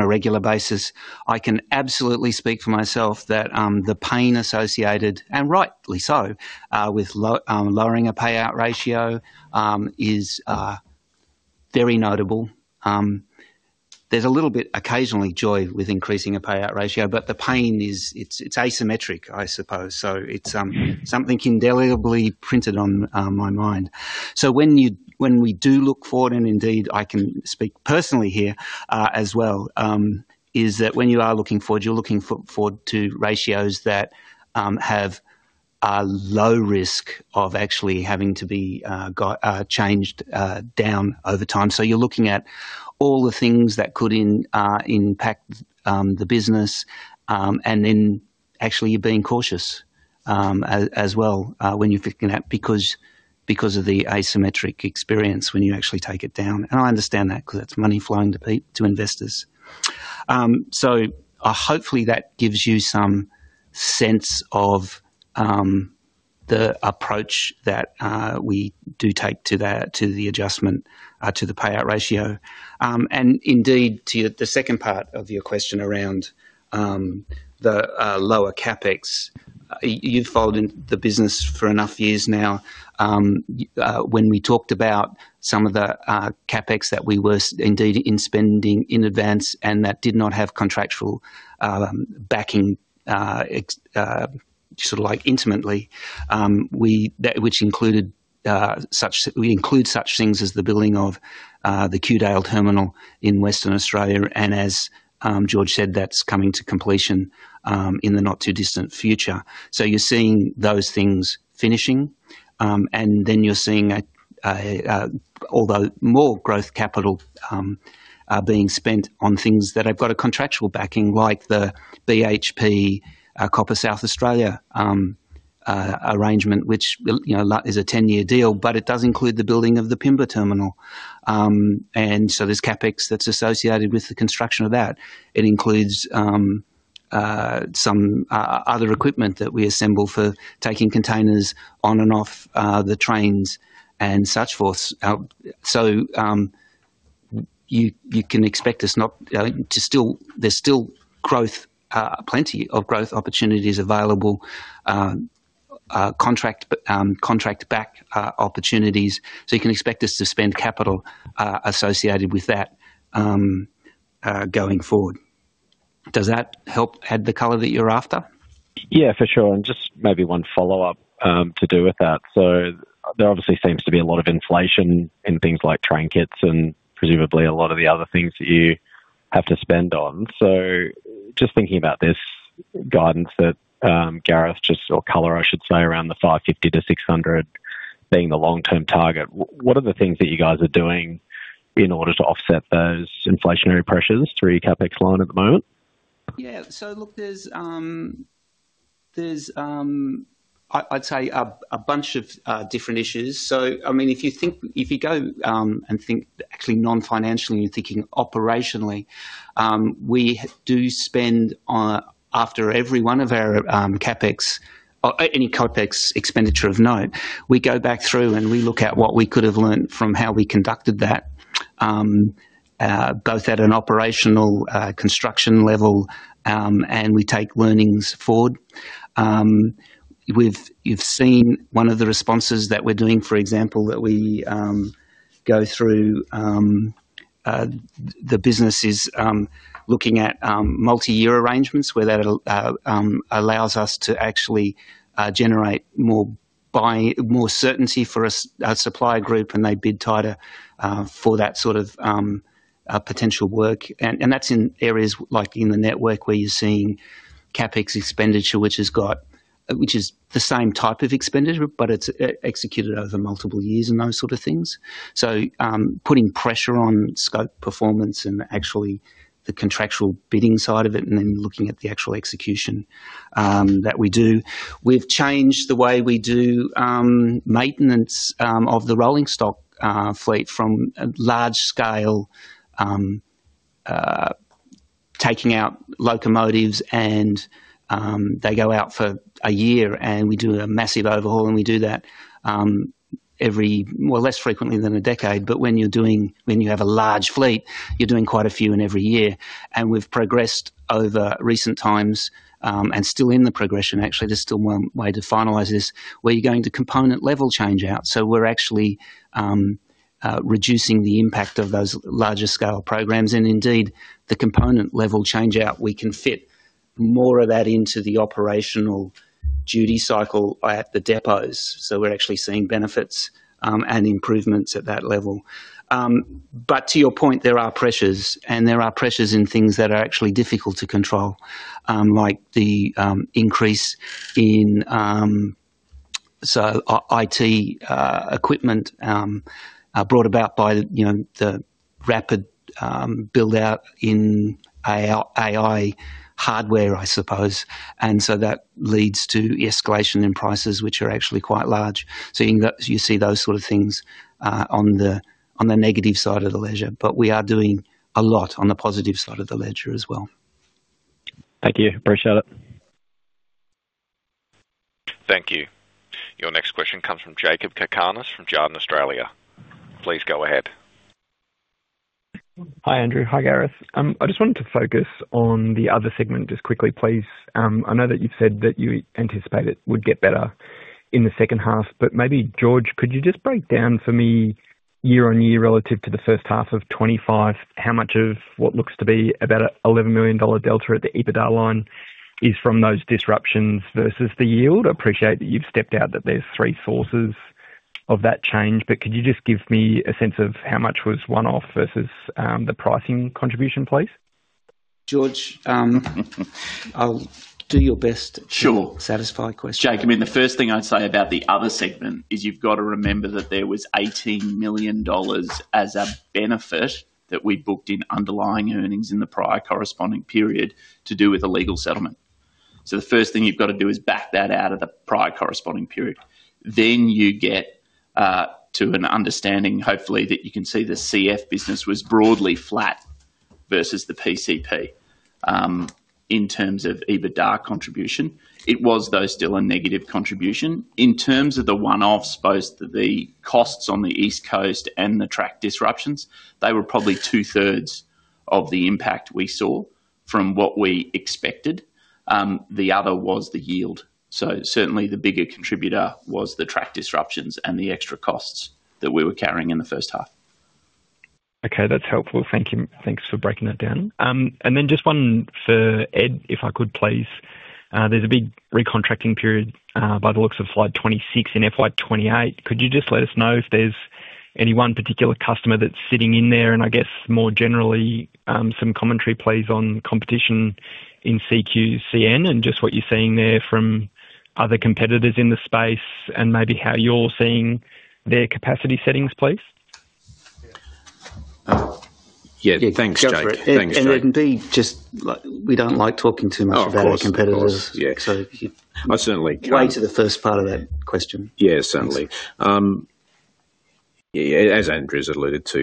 [SPEAKER 1] regular basis. I can absolutely speak for myself that the pain associated, and rightly so, with lowering a payout ratio, is very notable. There's a little bit occasionally joy with increasing a payout ratio, but the pain is, it's asymmetric, I suppose. So it's
[SPEAKER 7] Mm-hmm.
[SPEAKER 1] - something indelibly printed on my mind. So when you, when we do look forward, and indeed, I can speak personally here, as well, is that when you are looking forward, you're looking forward to ratios that have a low risk of actually having to be changed down over time. So you're looking at all the things that could impact the business, and then actually, you're being cautious, as well, when you're thinking that because of the asymmetric experience when you actually take it down. And I understand that because it's money flowing to investors. So hopefully that gives you some sense of the approach that we do take to the adjustment to the payout ratio. And indeed, to the second part of your question around the lower CapEx, you've followed in the business for enough years now, when we talked about some of the CapEx that we were indeed spending in advance, and that did not have contractual backing, except sort of like immediately, which included such things as the building of the Kewdale terminal in Western Australia, and as George said, that's coming to completion in the not-too-distant future. So you're seeing those things finishing, and then you're seeing a, although more growth capital, being spent on things that have got a contractual backing, like the BHP, Copper South Australia, arrangement, which will, you know, is a 10-year deal, but it does include the building of the Pimba terminal. And so there's CapEx that's associated with the construction of that. It includes, some, other equipment that we assemble for taking containers on and off, the trains and such forth. So, you, you can expect us not, to still-- there's still growth, plenty of growth opportunities available, contract, contract back, opportunities, so you can expect us to spend capital, associated with that, going forward. Does that help add the color that you're after?
[SPEAKER 7] Yeah, for sure, and just maybe one follow-up to do with that. So there obviously seems to be a lot of inflation in things like train kits and presumably a lot of the other things that you have to spend on. So just thinking about this guidance that Gareth just... or color, I should say, around the 550-600 being the long-term target, what are the things that you guys are doing in order to offset those inflationary pressures through your CapEx line at the moment?
[SPEAKER 1] Yeah. So look, there's, there's, I'd say, a, a bunch of different issues. So, I mean, if you think, if you go, and think actually non-financially, you're thinking operationally, we do spend on, after every one of our, CapEx or any CapEx expenditure of note, we go back through, and we look at what we could have learned from how we conducted that, both at an operational, construction level, and we take learnings forward. You've seen one of the responses that we're doing, for example, that we go through, the business is looking at multi-year arrangements, where that allows us to actually generate more buy- more certainty for a s- a supplier group, and they bid tighter, for that sort of potential work. And that's in areas like in the network, where you're seeing CapEx expenditure, which has got, which is the same type of expenditure, but it's executed over multiple years and those sort of things. So, putting pressure on scope, performance and actually the contractual bidding side of it, and then looking at the actual execution that we do. We've changed the way we do maintenance of the rolling stock fleet from a large scale taking out locomotives and they go out for a year, and we do a massive overhaul, and we do that every... Well, less frequently than a decade, but when you have a large fleet, you're doing quite a few in every year, and we've progressed over recent times, and still in the progression, actually, there's still one way to finalize this, where you're going to component level change-out. So we're actually reducing the impact of those larger-scale programs, and indeed, the component level change-out, we can fit more of that into the operational duty cycle at the depots. So we're actually seeing benefits and improvements at that level. But to your point, there are pressures, and there are pressures in things that are actually difficult to control, like the increase in IT equipment brought about by, you know, the rapid build-out in AI hardware, I suppose, and so that leads to escalation in prices, which are actually quite large. So you've got, you see those sort of things on the negative side of the ledger, but we are doing a lot on the positive side of the ledger as well.
[SPEAKER 7] Thank you. Appreciate it.
[SPEAKER 3] Thank you. Your next question comes from Jakob Cakarnis, from Jarden Australia. Please go ahead.
[SPEAKER 8] Hi, Andrew. Hi, Gareth. I just wanted to focus on the other segment, just quickly, please. I know that you've said that you anticipate it would get better in the second half, but maybe George, could you just break down for me, year-on-year, relative to the first half of 2025, how much of what looks to be about 11 million dollar delta at the EBITDA line is from those disruptions versus the yield? I appreciate that you've stepped out that there's three sources of that change, but could you just give me a sense of how much was one-off versus, the pricing contribution, please?
[SPEAKER 1] George, I'll do your best-
[SPEAKER 6] Sure.
[SPEAKER 1] to satisfy your question.
[SPEAKER 6] Jacob, I mean, the first thing I'd say about the other segment is you've got to remember that there was 18 million dollars as a benefit that we booked in underlying earnings in the prior corresponding period to do with a legal settlement. So the first thing you've got to do is back that out of the prior corresponding period. Then you get to an understanding, hopefully, that you can see the CF business was broadly flat versus the PCP, in terms of EBITDA contribution. It was, though, still a negative contribution. In terms of the one-offs, both the costs on the East Coast and the track disruptions, they were probably two-thirds of the impact we saw from what we expected. The other was the yield. So certainly the bigger contributor was the track disruptions and the extra costs that we were carrying in the first half.
[SPEAKER 8] Okay, that's helpful. Thank you. Thanks for breaking that down. And then just one for Ed, if I could, please. There's a big recontracting period, by the looks of slide 26 in FY 2028. Could you just let us know if there's any one particular customer that's sitting in there? And I guess more generally, some commentary, please, on competition in CQCN, and just what you're seeing there from other competitors in the space, and maybe how you're seeing their capacity settings, please.
[SPEAKER 5] Yeah, thanks, Jake.
[SPEAKER 1] Go for it.
[SPEAKER 5] Thanks, Jake.
[SPEAKER 1] There can be just, like, we don't like talking too much-
[SPEAKER 5] Oh, of course....
[SPEAKER 1] about our competitors.
[SPEAKER 5] Of course. Yeah.
[SPEAKER 1] So if you-
[SPEAKER 5] I certainly-
[SPEAKER 1] Play to the first part of that question.
[SPEAKER 5] Yeah, certainly. Yeah, as Andrew has alluded to,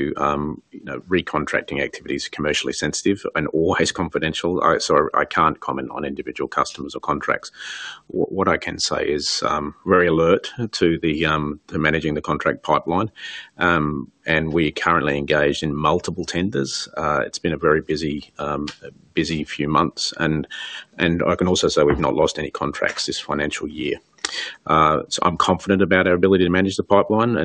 [SPEAKER 5] you know, recontracting activity is commercially sensitive and always confidential. So I can't comment on individual customers or contracts. What I can say is very alert to managing the contract pipeline. And we are currently engaged in multiple tenders. It's been a very busy few months, and I can also say we've not lost any contracts this financial year. So I'm confident about our ability to manage the pipeline,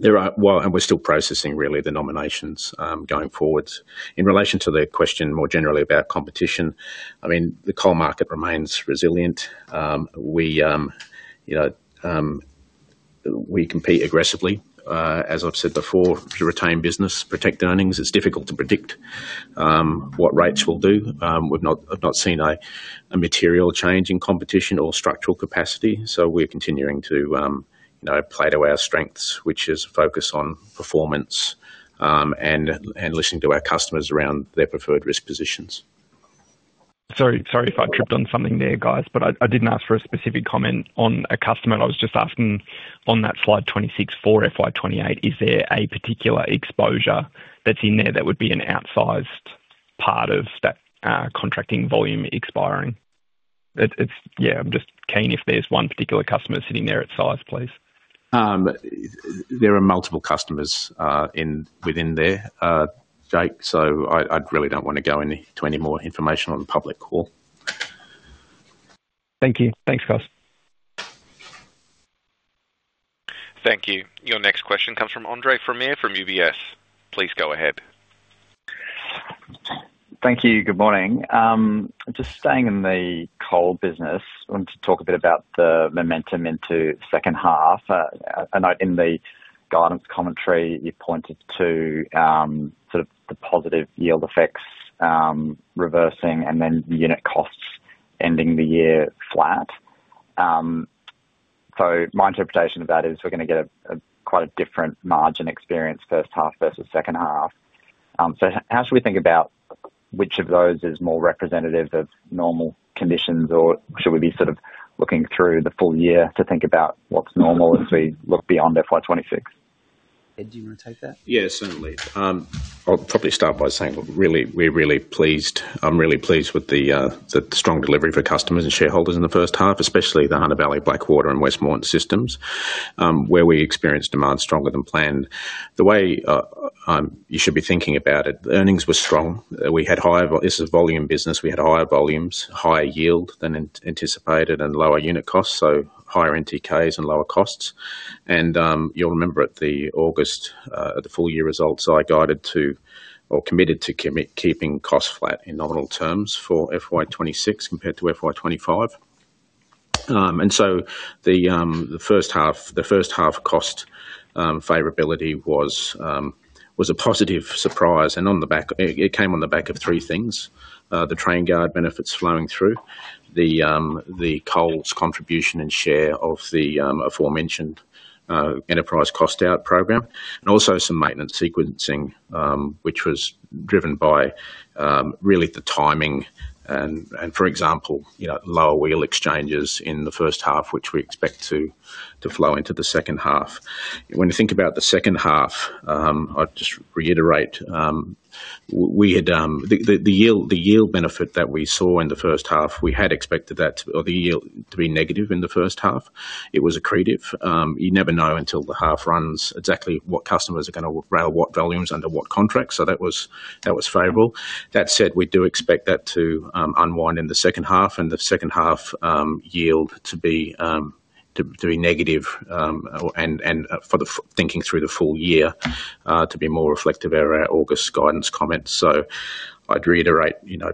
[SPEAKER 5] and there are well, and we're still processing really the nominations going forward. In relation to the question more generally about competition, I mean, the coal market remains resilient. We, you know, compete aggressively, as I've said before, to retain business, protect earnings. It's difficult to predict what rates will do. I've not seen a material change in competition or structural capacity, so we're continuing to, you know, play to our strengths, which is focus on performance, and listening to our customers around their preferred risk positions.
[SPEAKER 8] Sorry, sorry if I tripped on something there, guys, but I, I didn't ask for a specific comment on a customer. I was just asking on that slide 26 for FY28, is there a particular exposure that's in there that would be an outsized part of that contracting volume expiring? It, it's... Yeah, I'm just keen if there's one particular customer sitting there at size, please.
[SPEAKER 5] There are multiple customers within there, Jake, so I really don't want to go into any more information on the public call.
[SPEAKER 8] Thank you. Thanks, guys.
[SPEAKER 3] Thank you. Your next question comes from Andre Fromyhr, from UBS. Please go ahead.
[SPEAKER 9] Thank you. Good morning. Just staying in the coal business, I want to talk a bit about the momentum into second half. I know in the guidance commentary, you pointed to, sort of the positive yield effects, reversing and then the unit costs ending the year flat. So my interpretation of that is we're gonna get a, quite a different margin experience first half versus second half. So how should we think about which of those is more representative of normal conditions, or should we be sort of looking through the full year to think about what's normal as we look beyond FY 2026?
[SPEAKER 1] Ed, do you want to take that?
[SPEAKER 5] Yeah, certainly. I'll probably start by saying really, we're really pleased. I'm really pleased with the strong delivery for customers and shareholders in the first half, especially the Hunter Valley, Blackwater, and West Moreton systems, where we experienced demand stronger than planned. The way you should be thinking about it, earnings were strong. We had higher volumes. This is volume business. We had higher volumes, higher yield than anticipated, and lower unit costs, so higher NTKs and lower costs. And you'll remember at the August the full year results, I guided to or committed to keeping costs flat in nominal terms for FY26 compared to FY25. And so the first half cost favorability was a positive surprise, and on the back... It came on the back of three things: the Trainguard benefits flowing through, the coal's contribution and share of the aforementioned enterprise cost out program, and also some maintenance sequencing, which was driven by really the timing and, for example, you know, lower wheel exchanges in the first half, which we expect to flow into the second half. When you think about the second half, I'll just reiterate, we had the yield benefit that we saw in the first half, we had expected that, or the yield to be negative in the first half. It was accretive. You never know until the half runs exactly what customers are gonna rail, what volumes under what contract, so that was favorable. That said, we do expect that to unwind in the second half, and the second half yield to be negative, thinking through the full year, to be more reflective of our August guidance comments. So I'd reiterate, you know,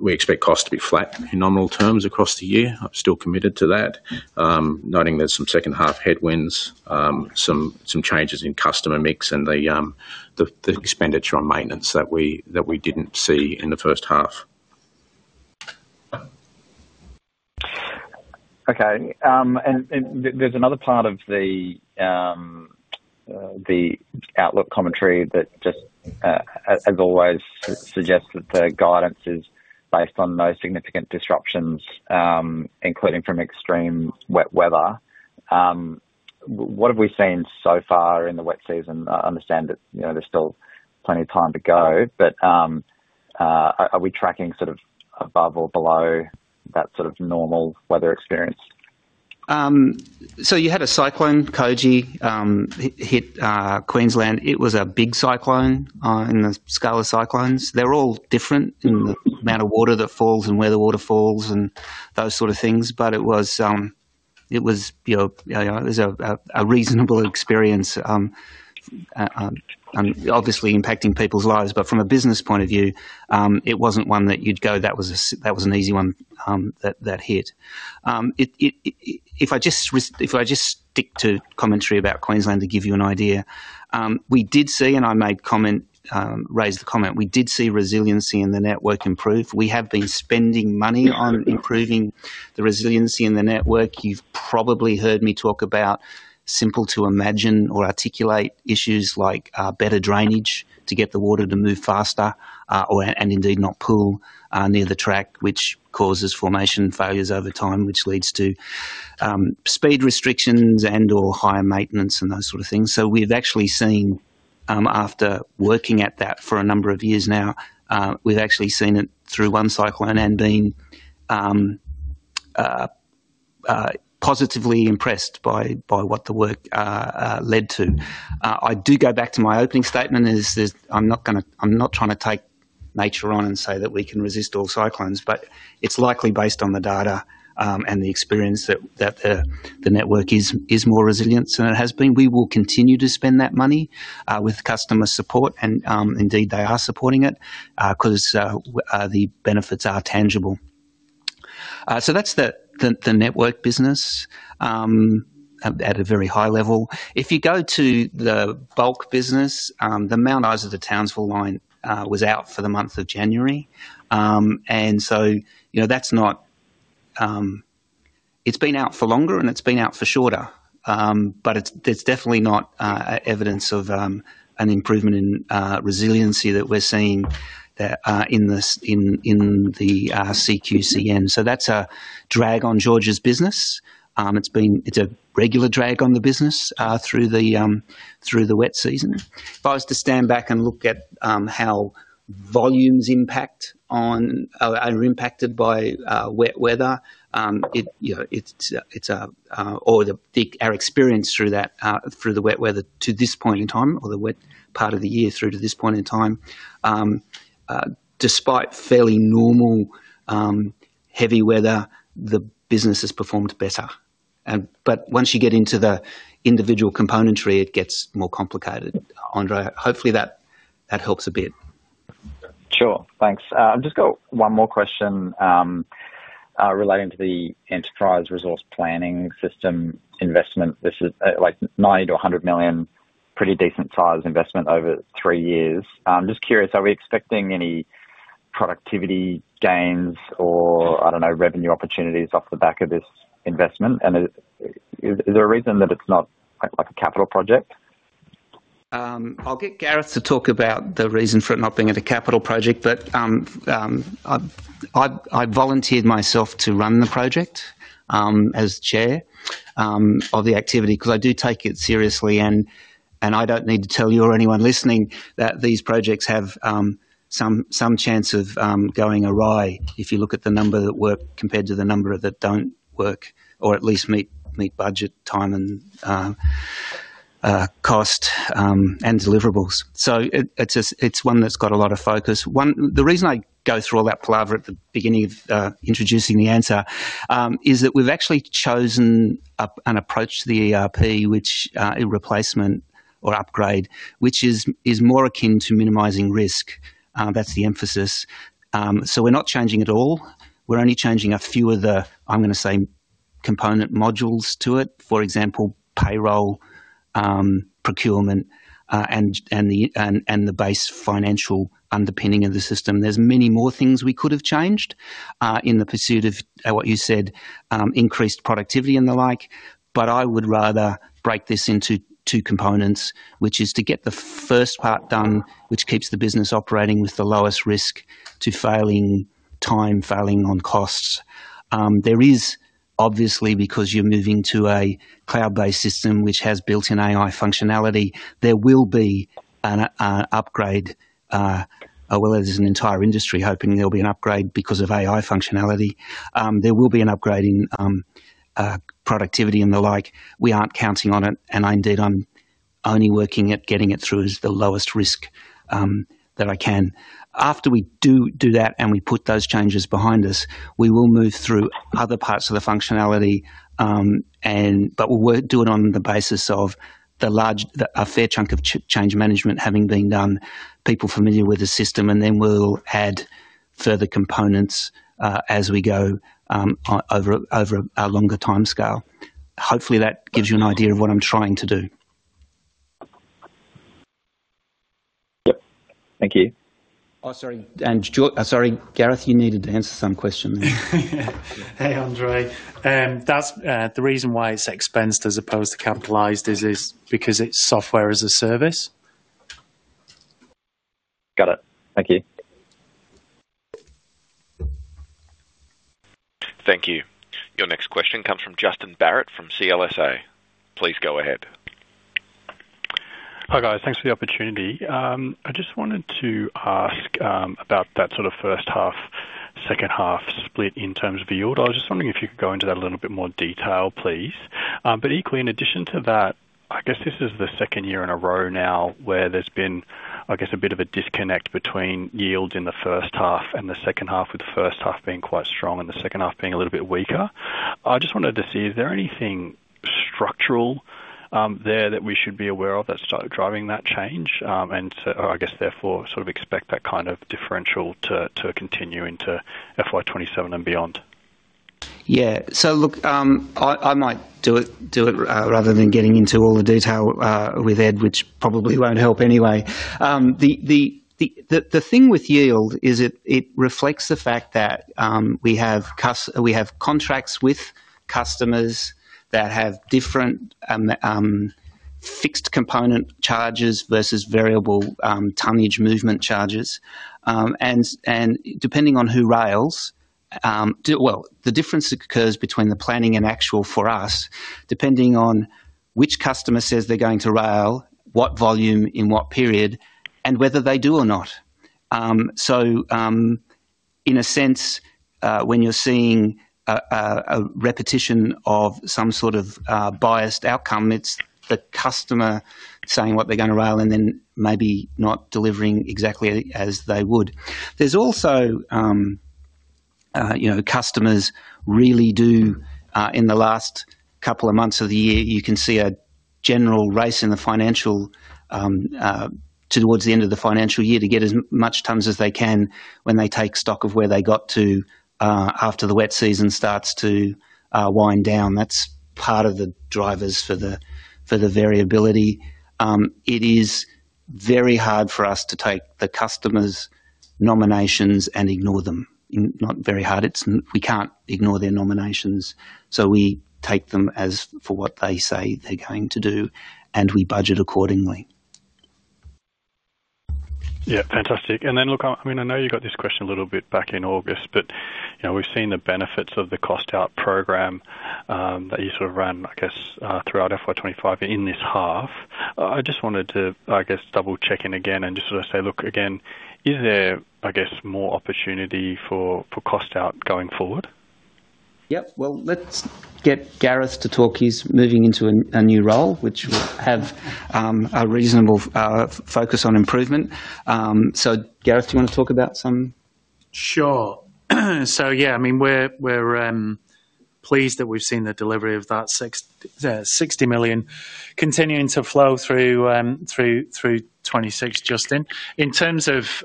[SPEAKER 5] we expect costs to be flat in nominal terms across the year. I'm still committed to that, noting there's some second half headwinds, some changes in customer mix and the expenditure on maintenance that we didn't see in the first half.
[SPEAKER 9] Okay, and there's another part of the outlook commentary that just, as always, suggests that the guidance is based on no significant disruptions, including from extreme wet weather. What have we seen so far in the wet season? I understand that, you know, there's still plenty of time to go, but, are we tracking sort of above or below that sort of normal weather experience?
[SPEAKER 1] So you had a cyclone, Koji, hit Queensland. It was a big cyclone in the scale of cyclones. They're all different.
[SPEAKER 9] Mm-hmm.
[SPEAKER 1] in the amount of water that falls and where the water falls, and those sort of things. But it was, you know, it was a reasonable experience, obviously impacting people's lives, but from a business point of view, it wasn't one that you'd go, "That was a that was an easy one, that hit." If I just stick to commentary about Queensland, to give you an idea, we did see, and I made comment, raised the comment, we did see resiliency in the network improve. We have been spending money on improving the resiliency in the network. You've probably heard me talk about simple to imagine or articulate issues like, better drainage to get the water to move faster, or, and indeed, not pool, near the track, which causes formation failures over time, which leads to, speed restrictions and/or higher maintenance and those sort of things. So we've actually seen, after working at that for a number of years now, we've actually seen it through one cyclone and been, positively impressed by what the work led to. I do go back to my opening statement is, I'm not gonna... I'm not trying to take nature on and say that we can resist all cyclones, but it's likely, based on the data, and the experience, that the network is more resilient than it has been. We will continue to spend that money with customer support, and indeed, they are supporting it 'cause the benefits are tangible. So that's the network business at a very high level. If you go to the bulk business, the Mount Isa to Townsville line was out for the month of January. And so, you know, that's not... It's been out for longer, and it's been out for shorter, but that's definitely not evidence of an improvement in resiliency that we're seeing in the CQCN. So that's a drag on George's business. It's a regular drag on the business through the wet season. If I was to stand back and look at how volumes impact on or are impacted by wet weather, you know, it's our experience through that, through the wet weather to this point in time, or the wet part of the year through to this point in time, despite fairly normal heavy weather, the business has performed better. But once you get into the individual componentry, it gets more complicated. Andre, hopefully that helps a bit.
[SPEAKER 9] Sure, thanks. I've just got one more question relating to the Enterprise Resource Planning system investment. This is like 90 million-100 million, pretty decent-sized investment over three years. I'm just curious, are we expecting any productivity gains or, I don't know, revenue opportunities off the back of this investment? And is there a reason that it's not, like, a capital project?
[SPEAKER 1] I'll get Gareth to talk about the reason for it not being a capital project, but I volunteered myself to run the project as chair of the activity 'cause I do take it seriously and I don't need to tell you or anyone listening that these projects have some chance of going awry if you look at the number that work compared to the number that don't work, or at least meet budget, time, and cost and deliverables. So it's one that's got a lot of focus. The reason I go through all that palaver at the beginning of introducing the answer is that we've actually chosen an approach to the ERP, a replacement or upgrade, which is more akin to minimizing risk. That's the emphasis. So we're not changing it all. We're only changing a few of the, I'm gonna say, component modules to it. For example, payroll, procurement, and the base financial underpinning of the system. There's many more things we could have changed in the pursuit of what you said, increased productivity and the like, but I would rather break this into two components, which is to get the first part done, which keeps the business operating with the lowest risk to failing time, failing on costs. There is obviously, because you're moving to a cloud-based system, which has built-in AI functionality, there will be an upgrade. Well, there's an entire industry hoping there'll be an upgrade because of AI functionality. There will be an upgrade in productivity and the like. We aren't counting on it, and indeed, I'm only working at getting it through as the lowest risk that I can. After we do that, and we put those changes behind us, we will move through other parts of the functionality, and but we'll work, do it on the basis of a fair chunk of change management having been done, people familiar with the system, and then we'll add further components, as we go, over a longer timescale. Hopefully, that gives you an idea of what I'm trying to do....
[SPEAKER 9] Thank you.
[SPEAKER 1] Oh, sorry, sorry, Gareth, you needed to answer some question.
[SPEAKER 2] Hey, Andre. That's the reason why it's expensed as opposed to capitalized is because it's software as a service.
[SPEAKER 9] Got it. Thank you.
[SPEAKER 3] Thank you. Your next question comes from Justin Barratt, from CLSA. Please go ahead.
[SPEAKER 10] Hi, guys. Thanks for the opportunity. I just wanted to ask about that sort of first half, second half split in terms of yield. I was just wondering if you could go into that a little bit more detail, please. But equally, in addition to that, I guess this is the second year in a row now where there's been, I guess, a bit of a disconnect between yields in the first half and the second half, with the first half being quite strong and the second half being a little bit weaker. I just wanted to see, is there anything structural there that we should be aware of that started driving that change? And so, or I guess, therefore, sort of expect that kind of differential to continue into FY27 and beyond.
[SPEAKER 1] Yeah. So look, I might do it rather than getting into all the detail with Ed, which probably won't help anyway. The thing with yield is it reflects the fact that we have contracts with customers that have different fixed component charges versus variable tonnage movement charges. And depending on who rails. Well, the difference occurs between the planning and actual for us, depending on which customer says they're going to rail, what volume, in what period, and whether they do or not. So, in a sense, when you're seeing a repetition of some sort of biased outcome, it's the customer saying what they're gonna rail and then maybe not delivering exactly as they would. There's also, you know, customers really do, in the last couple of months of the year, you can see a general race in the financial, towards the end of the financial year, to get as much tons as they can when they take stock of where they got to, after the wet season starts to, wind down. That's part of the drivers for the, for the variability. It is very hard for us to take the customer's nominations and ignore them. Not very hard, it's we can't ignore their nominations, so we take them as for what they say they're going to do, and we budget accordingly.
[SPEAKER 10] Yeah, fantastic. And then, look, I mean, I know you got this question a little bit back in August, but, you know, we've seen the benefits of the cost out program that you sort of ran, I guess, throughout FY25 and in this half. I just wanted to, I guess, double-check in again and just sort of say: Look, again, is there, I guess, more opportunity for cost out going forward?
[SPEAKER 1] Yep. Well, let's get Gareth to talk. He's moving into a new role which will have a reasonable focus on improvement. So, Gareth, do you want to talk about some?
[SPEAKER 2] Sure. So yeah, I mean, we're pleased that we've seen the delivery of that 60 million continuing to flow through 2026, Justin. In terms of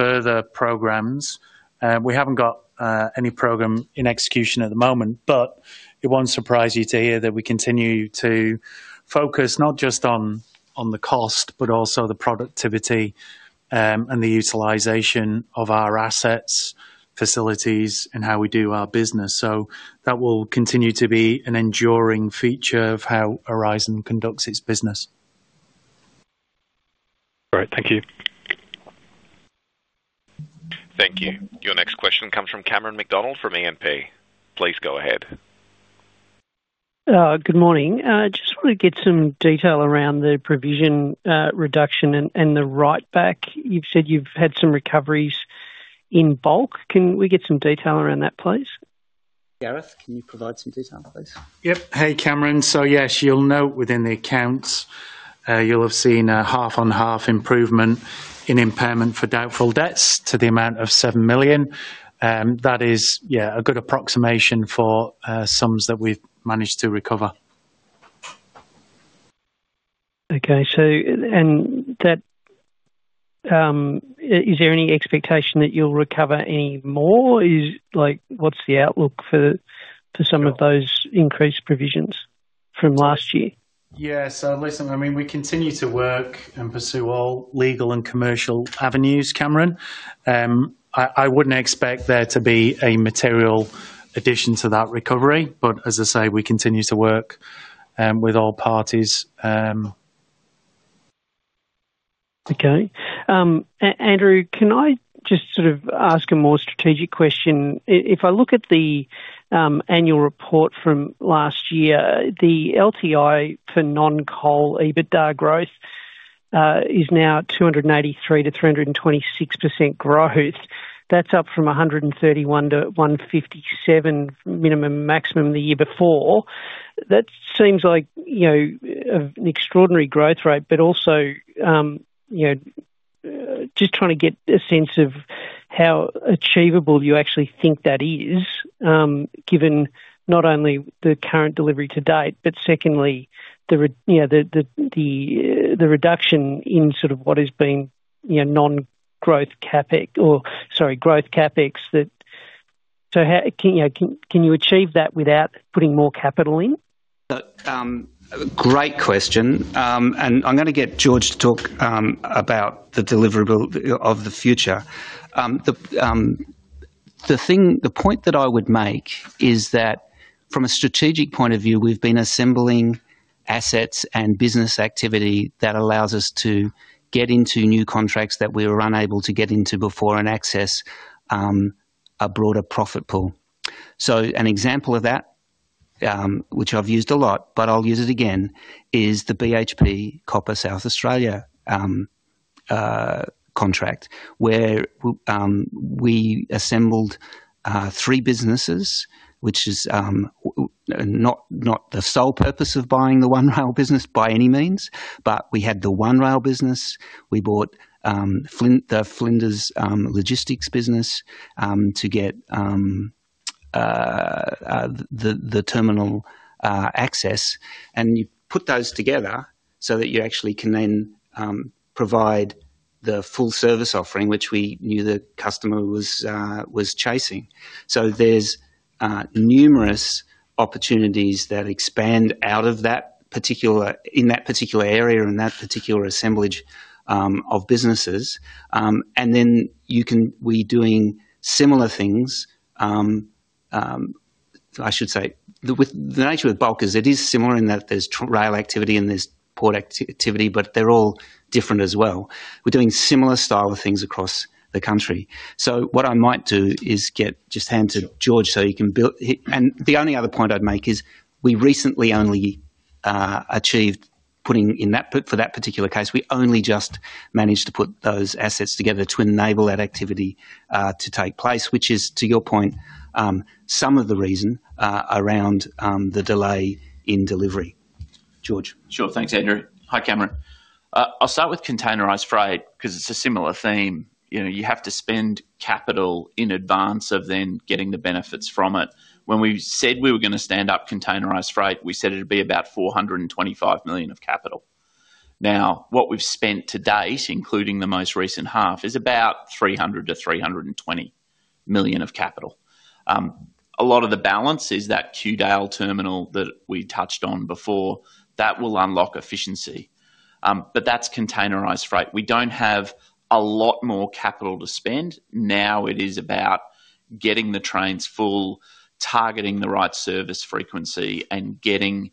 [SPEAKER 2] further programs, we haven't got any program in execution at the moment, but it won't surprise you to hear that we continue to focus not just on the cost, but also the productivity and the utilization of our assets, facilities, and how we do our business. So that will continue to be an enduring feature of how Aurizon conducts its business.
[SPEAKER 10] Great. Thank you.
[SPEAKER 3] Thank you. Your next question comes from Cameron McDonald, from AMP. Please go ahead.
[SPEAKER 11] Good morning. I just want to get some detail around the provision, reduction and the write back. You've said you've had some recoveries in bulk. Can we get some detail around that, please?
[SPEAKER 1] Gareth, can you provide some detail on that, please?
[SPEAKER 2] Yep. Hey, Cameron. So, yes, you'll note within the accounts, you'll have seen a half-on-half improvement in impairment for doubtful debts to the amount of 7 million. That is, yeah, a good approximation for sums that we've managed to recover.
[SPEAKER 11] Okay, so that... is there any expectation that you'll recover any more? Like, what's the outlook for some of those increased provisions from last year?
[SPEAKER 2] Yeah, so listen, I mean, we continue to work and pursue all legal and commercial avenues, Cameron. I wouldn't expect there to be a material addition to that recovery, but as I say, we continue to work with all parties.
[SPEAKER 11] Okay. Andrew, can I just sort of ask a more strategic question? If I look at the annual report from last year, the LTI for non-coal EBITDA growth is now 283%-326% growth. That's up from 131-157, minimum and maximum the year before. That seems like, you know, an extraordinary growth rate, but also, you know, just trying to get a sense of how achievable you actually think that is, given not only the current delivery to date, but secondly, the reduction in sort of what is being, you know, non-growth CapEx or, sorry, growth CapEx that-... So how, you know, can you achieve that without putting more capital in?
[SPEAKER 1] Great question. And I'm gonna get George to talk about the deliverable of the future. The thing, the point that I would make is that from a strategic point of view, we've been assembling assets and business activity that allows us to get into new contracts that we were unable to get into before and access a broader profit pool. So an example of that, which I've used a lot, but I'll use it again, is the BHP Copper South Australia contract, where we assembled three businesses, which is not the sole purpose of buying the One Rail business by any means, but we had the One Rail business. We bought Flinders, the Flinders Logistics business to get the terminal access. And you put those together so that you actually can then provide the full service offering, which we knew the customer was chasing. So there's numerous opportunities that expand out of that particular... in that particular area or in that particular assemblage of businesses. And then you can-- We're doing similar things. I should say, the nature with bulk is it is similar in that there's rail activity and there's port activity, but they're all different as well. We're doing similar style of things across the country. So what I might do is just hand to George so he can build- He... And the only other point I'd make is we recently only achieved putting in that, for that particular case, we only just managed to put those assets together to enable that activity to take place, which is, to your point, some of the reason around the delay in delivery. George?
[SPEAKER 6] Sure. Thanks, Andrew. Hi, Cameron. I'll start with containerized freight 'cause it's a similar theme. You know, you have to spend capital in advance of then getting the benefits from it. When we said we were gonna stand up containerized freight, we said it'd be about 425 million of capital. Now, what we've spent to date, including the most recent half, is about 300 million-320 million of capital. A lot of the balance is that Kewdale Terminal that we touched on before. That will unlock efficiency, but that's containerized freight. We don't have a lot more capital to spend. Now it is about getting the trains full, targeting the right service frequency, and getting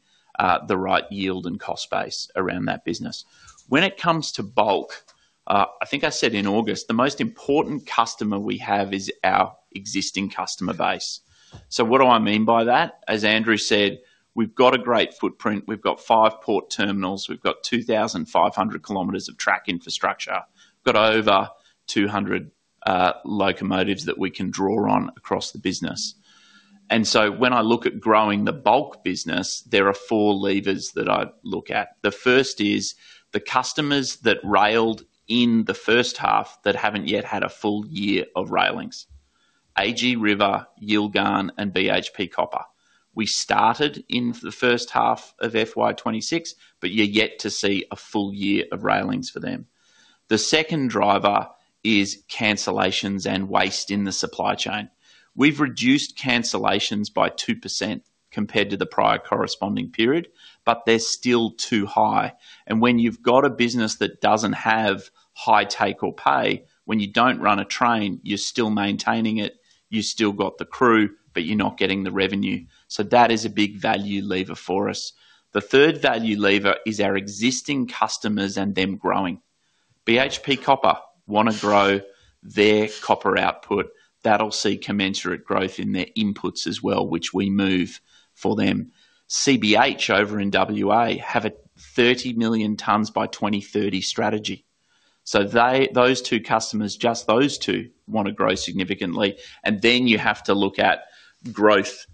[SPEAKER 6] the right yield and cost base around that business. When it comes to bulk, I think I said in August, the most important customer we have is our existing customer base. So what do I mean by that? As Andrew said, we've got a great footprint. We've got 5 port terminals, we've got 2,500 kilometers of track infrastructure. We've got over 200 locomotives that we can draw on across the business. And so when I look at growing the bulk business, there are 4 levers that I look at. The first is the customers that railed in the first half that haven't yet had a full year of rail links: AG River, Yilgarn, and BHP Copper. We started in the first half of FY 2026, but you're yet to see a full year of rail links for them. The second driver is cancellations and waste in the supply chain. We've reduced cancellations by 2% compared to the prior corresponding period, but they're still too high. And when you've got a business that doesn't have high take or pay, when you don't run a train, you're still maintaining it, you still got the crew, but you're not getting the revenue. So that is a big value lever for us. The third value lever is our existing customers and them growing. BHP Copper wanna grow their copper output. That'll see commensurate growth in their inputs as well, which we move for them. CBH over in WA have a 30 million tons by 2030 strategy. So they, those two customers, just those two, wanna grow significantly. And then you have to look at growth,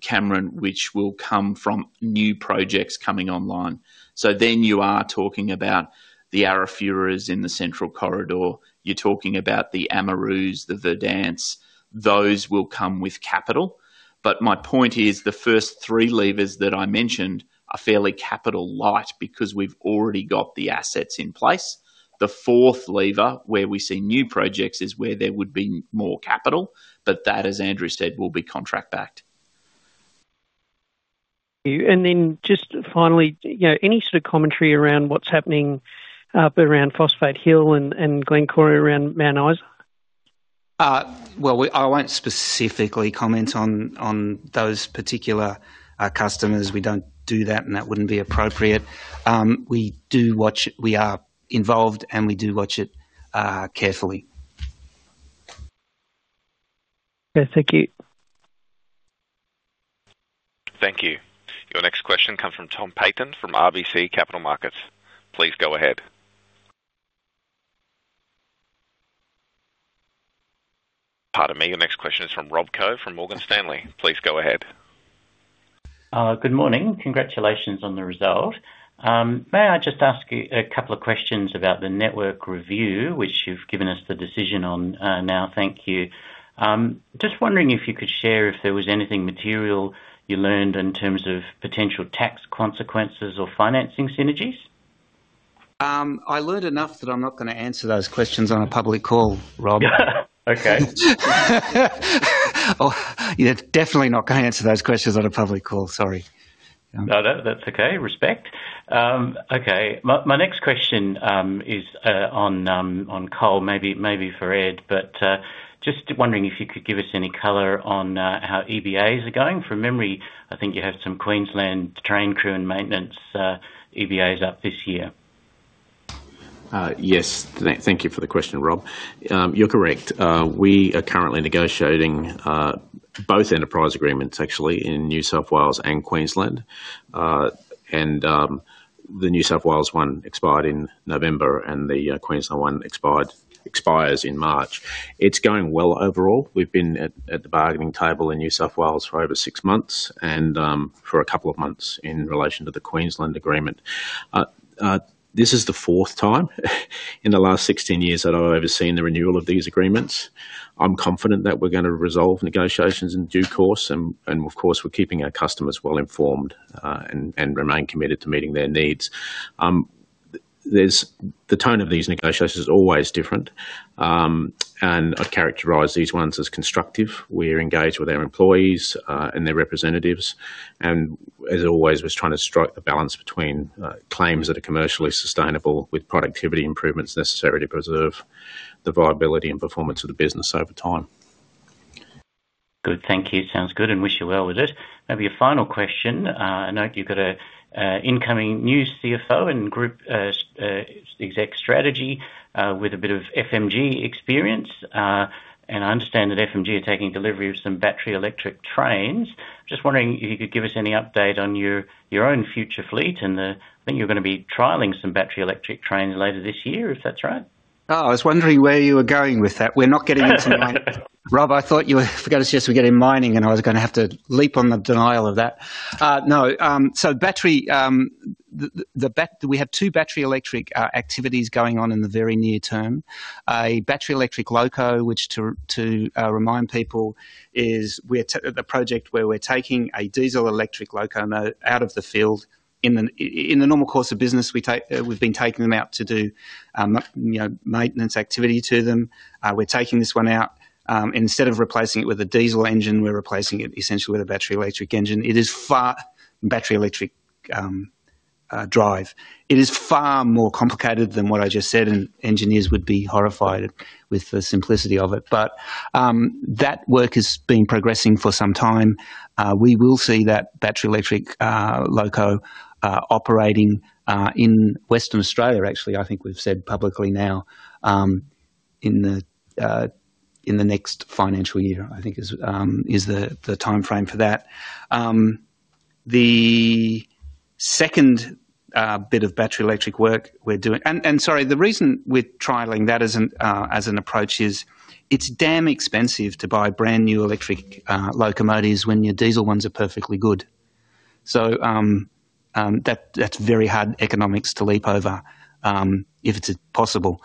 [SPEAKER 6] Cameron, which will come from new projects coming online. So then you are talking about the Arafura in the central corridor, you're talking about the Ammaroos, the Verdants. Those will come with capital. But my point is, the first three levers that I mentioned are fairly capital light because we've already got the assets in place. The fourth lever, where we see new projects, is where there would be more capital, but that, as Andrew said, will be contract backed.
[SPEAKER 11] Thank you. And then just finally, you know, any sort of commentary around what's happening around Phosphate Hill and Glencore around Mount Isa?
[SPEAKER 1] Well, we won't specifically comment on those particular customers. We don't do that, and that wouldn't be appropriate. We do watch. We are involved, and we do watch it carefully.
[SPEAKER 11] Okay, thank you.
[SPEAKER 3] Thank you. Your next question comes from Tom Peyton from RBC Capital Markets. Please go ahead. Pardon me, your next question is from Rob Koh from Morgan Stanley. Please go ahead.
[SPEAKER 12] Good morning. Congratulations on the result. May I just ask you a couple of questions about the network review, which you've given us the decision on, now? Thank you. Just wondering if you could share if there was anything material you learned in terms of potential tax consequences or financing synergies?...
[SPEAKER 1] I learned enough that I'm not gonna answer those questions on a public call, Rob.
[SPEAKER 12] Okay.
[SPEAKER 1] Oh, yeah, definitely not gonna answer those questions on a public call. Sorry.
[SPEAKER 12] No, no, that's okay. Respect. Okay. My next question is on coal, maybe for Ed, but just wondering if you could give us any color on how EBAs are going? From memory, I think you have some Queensland train crew and maintenance EBAs up this year.
[SPEAKER 5] Yes. Thank you for the question, Rob. You're correct. We are currently negotiating both enterprise agreements, actually, in New South Wales and Queensland. And the New South Wales one expired in November, and the Queensland one expired, expires in March. It's going well overall. We've been at the bargaining table in New South Wales for over 6 months and for a couple of months in relation to the Queensland agreement. This is the fourth time, in the last 16 years, that I've overseen the renewal of these agreements. I'm confident that we're gonna resolve negotiations in due course, and of course, we're keeping our customers well informed and remain committed to meeting their needs. There's... The tone of these negotiations is always different, and I'd characterize these ones as constructive. We're engaged with our employees, and their representatives, and as always, we're trying to strike the balance between claims that are commercially sustainable with productivity improvements necessary to preserve the viability and performance of the business over time.
[SPEAKER 12] Good. Thank you. Sounds good, and wish you well with it. Maybe a final question. I note you've got an incoming new CFO and Group Executive Strategy with a bit of FMG experience, and I understand that FMG are taking delivery of some battery electric trains. Just wondering if you could give us any update on your own future fleet, and I think you're gonna be trialing some battery electric trains later this year, if that's right?
[SPEAKER 1] Oh, I was wondering where you were going with that. We're not getting into- Rob, I thought you were... forgot to suggest we get in mining, and I was gonna have to leap on the denial of that. No, so battery, we have two battery electric activities going on in the very near term. A battery electric loco, which, to remind people, is a project where we're taking a diesel electric locomotive out of the field. In the normal course of business, we take, we've been taking them out to do, you know, maintenance activity to them. We're taking this one out, instead of replacing it with a diesel engine, we're replacing it essentially with a battery electric engine. It is far... Battery electric drive. It is far more complicated than what I just said, and engineers would be horrified with the simplicity of it. But that work has been progressing for some time. We will see that battery electric loco operating in Western Australia, actually. I think we've said publicly now, in the next financial year. I think is the timeframe for that. The second bit of battery electric work we're doing... Sorry, the reason we're trialing that as an approach is, it's damn expensive to buy brand-new electric locomotives when your diesel ones are perfectly good. So, that's very hard economics to leap over, if it's possible.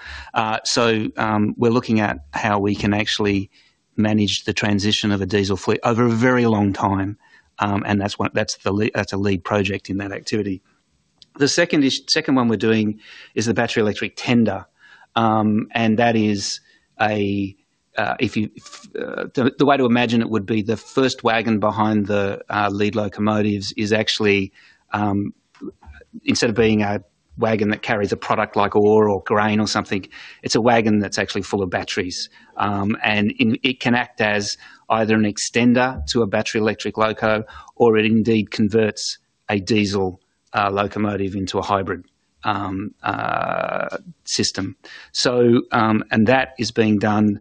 [SPEAKER 1] So, we're looking at how we can actually manage the transition of a diesel fleet over a very long time, and that's a lead project in that activity. The second one we're doing is the battery electric tender, and that is a, the way to imagine it would be the first wagon behind the lead locomotives is actually, instead of being a wagon that carries a product like ore or grain or something, it's a wagon that's actually full of batteries. And it can act as either an extender to a battery electric loco, or it indeed converts a diesel locomotive into a hybrid system. And that is being done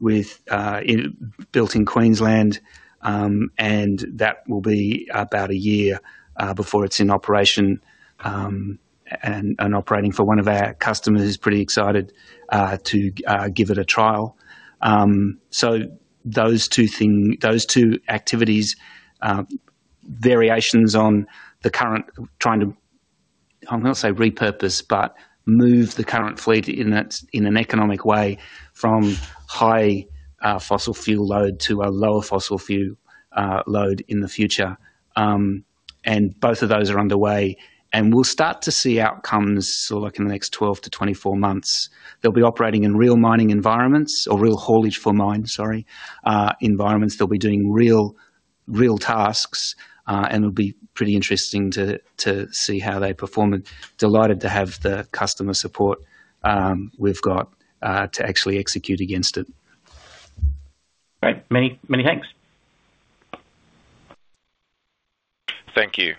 [SPEAKER 1] with it built in Queensland, and that will be about a year before it's in operation, and operating for one of our customers who's pretty excited to give it a trial. So those two things—those two activities, variations on the current, trying to, I'm gonna say repurpose, but move the current fleet in that, in an economic way from high fossil fuel load to a lower fossil fuel load in the future. And both of those are underway, and we'll start to see outcomes sort of like in the next 12-24 months. They'll be operating in real mining environments or real haulage for mine, sorry, environments. They'll be doing real, real tasks, and it'll be pretty interesting to see how they perform, and delighted to have the customer support we've got to actually execute against it.
[SPEAKER 12] Great. Many, many thanks.
[SPEAKER 3] Thank you.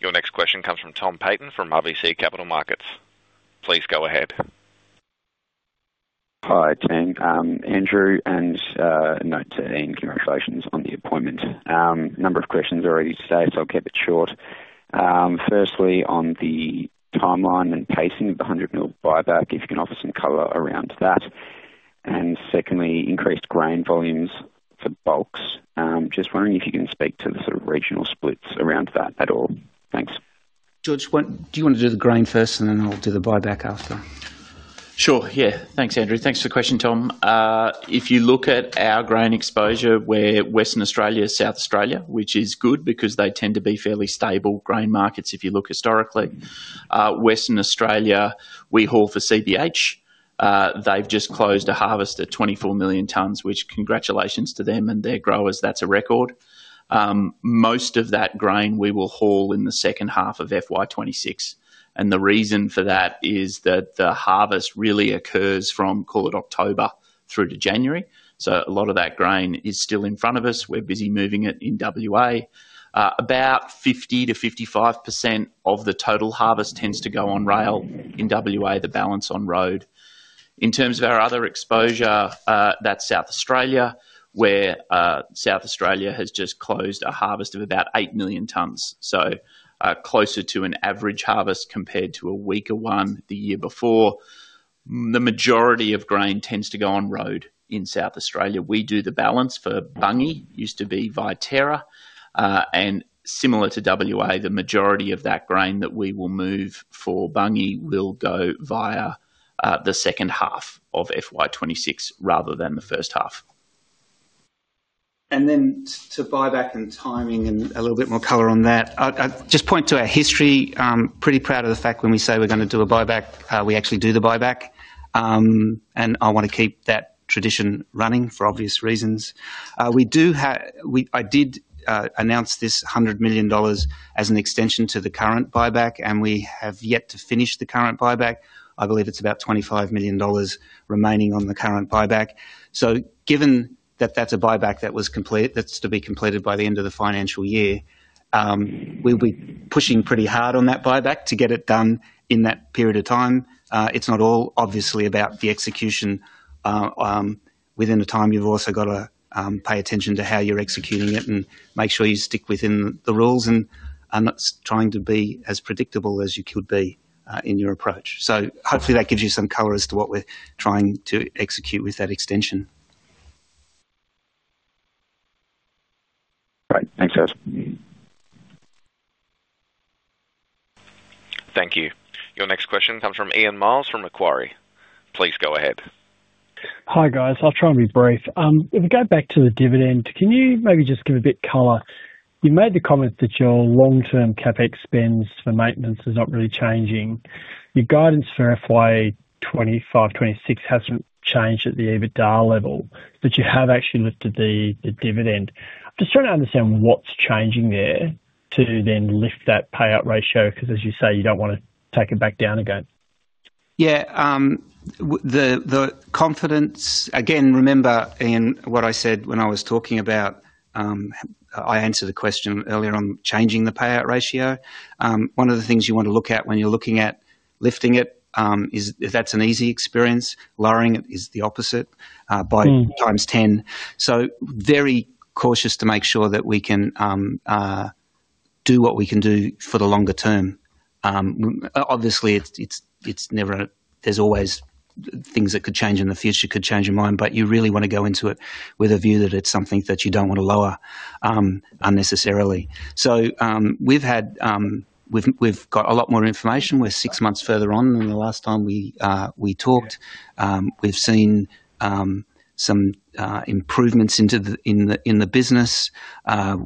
[SPEAKER 3] Your next question comes from Tom Peyton from RBC Capital Markets. Please go ahead.
[SPEAKER 13] Hi, team. Andrew, and note to Ian, congratulations on the appointment. Number of questions already today, so I'll keep it short. Firstly, on the timeline and pacing of the 100 million buyback, if you can offer some color around that. And secondly, increased grain volumes for bulks. Just wondering if you can speak to the sort of regional splits around that at all. Thanks.
[SPEAKER 1] George, what do you want to do the grain first, and then I'll do the buyback after?...
[SPEAKER 6] Sure, yeah. Thanks, Andrew. Thanks for the question, Tom. If you look at our grain exposure, we're Western Australia, South Australia, which is good because they tend to be fairly stable grain markets, if you look historically. Western Australia, we haul for CBH. They've just closed a harvest at 24 million tons, which congratulations to them and their growers, that's a record. Most of that grain we will haul in the second half of FY 2026, and the reason for that is that the harvest really occurs from, call it October through to January. So a lot of that grain is still in front of us. We're busy moving it in WA. About 50%-55% of the total harvest tends to go on rail in WA, the balance on road. In terms of our other exposure, that's South Australia, where South Australia has just closed a harvest of about 8 million tons, so, closer to an average harvest compared to a weaker one the year before. The majority of grain tends to go on road in South Australia. We do the balance for Bunge, used to be Viterra, and similar to WA, the majority of that grain that we will move for Bunge will go via the second half of FY 2026 rather than the first half.
[SPEAKER 1] To buyback and timing and a little bit more color on that, I just point to our history, pretty proud of the fact when we say we're gonna do a buyback, we actually do the buyback, and I wanna keep that tradition running for obvious reasons. We do have... I did announce this 100 million dollars as an extension to the current buyback, and we have yet to finish the current buyback. I believe it's about 25 million dollars remaining on the current buyback. Given that that's a buyback that was complete, that's to be completed by the end of the financial year, we'll be pushing pretty hard on that buyback to get it done in that period of time. It's not all obviously about the execution within the time. You've also got to pay attention to how you're executing it and make sure you stick within the rules, and not trying to be as predictable as you could be in your approach. So hopefully that gives you some color as to what we're trying to execute with that extension.
[SPEAKER 13] Great. Thanks, Andrew.
[SPEAKER 3] Thank you. Your next question comes from Ian Myles, from Macquarie. Please go ahead.
[SPEAKER 14] Hi, guys. I'll try and be brief. If we go back to the dividend, can you maybe just give a bit color? You made the comment that your long-term CapEx spends for maintenance is not really changing. Your guidance for FY 2025, 2026 hasn't changed at the EBITDA level, but you have actually lifted the dividend. I'm just trying to understand what's changing there to then lift that payout ratio, 'cause as you say, you don't wanna take it back down again.
[SPEAKER 1] Yeah, the confidence... Again, remember, Ian, what I said when I was talking about, I answered a question earlier on changing the payout ratio. One of the things you want to look at when you're looking at lifting it is if that's an easy experience, lowering it is the opposite.
[SPEAKER 14] Mm.
[SPEAKER 1] By times ten. So very cautious to make sure that we can do what we can do for the longer term. Obviously, it's never, there's always things that could change in the future, could change your mind, but you really wanna go into it with a view that it's something that you don't want to lower unnecessarily. So, we've had, we've got a lot more information. We're six months further on than the last time we talked. We've seen some improvements in the business.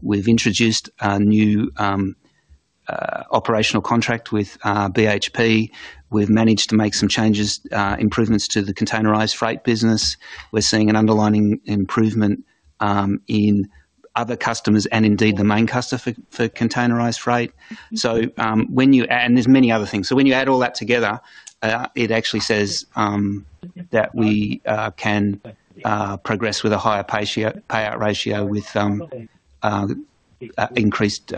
[SPEAKER 1] We've introduced a new operational contract with BHP. We've managed to make some changes, improvements to the containerized freight business. We're seeing an underlying improvement in other customers and indeed the main customer for containerized freight. So, when you... And there's many other things. So when you add all that together, it actually says that we can progress with a higher payout ratio with increased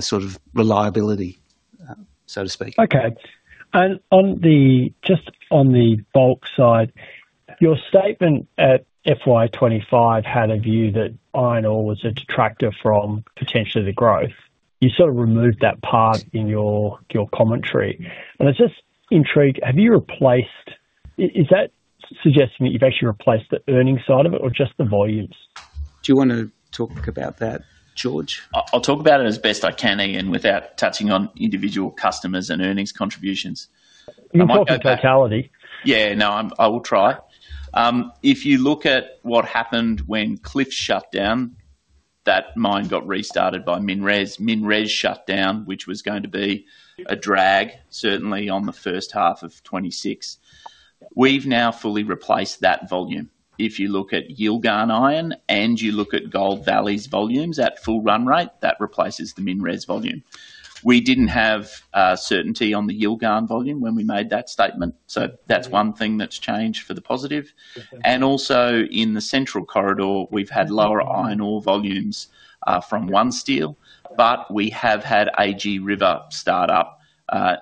[SPEAKER 1] sort of reliability, so to speak.
[SPEAKER 14] Okay. And on the, just on the bulk side, your statement at FY 25 had a view that iron ore was a detractor from potentially the growth. You sort of removed that part in your, your commentary, and I was just intrigued, have you replaced... is that suggesting that you've actually replaced the earnings side of it or just the volumes?
[SPEAKER 1] Do you want to talk about that, George?
[SPEAKER 6] I'll talk about it as best I can, Ian, without touching on individual customers and earnings contributions.
[SPEAKER 14] You can talk in totality.
[SPEAKER 6] Yeah, no, I will try. If you look at what happened when Cliff shut down, that mine got restarted by Mines. Mines shut down, which was going to be a drag, certainly on the first half of 2026. We've now fully replaced that volume. If you look at Yilgarn Iron, and you look at Gold Valley's volumes at full run rate, that replaces the Mines volume. We didn't have certainty on the Yilgarn volume when we made that statement, so that's one thing that's changed for the positive.
[SPEAKER 14] Okay.
[SPEAKER 6] And also, in the central corridor, we've had lower iron ore volumes from OneSteel, but we have had AG River start up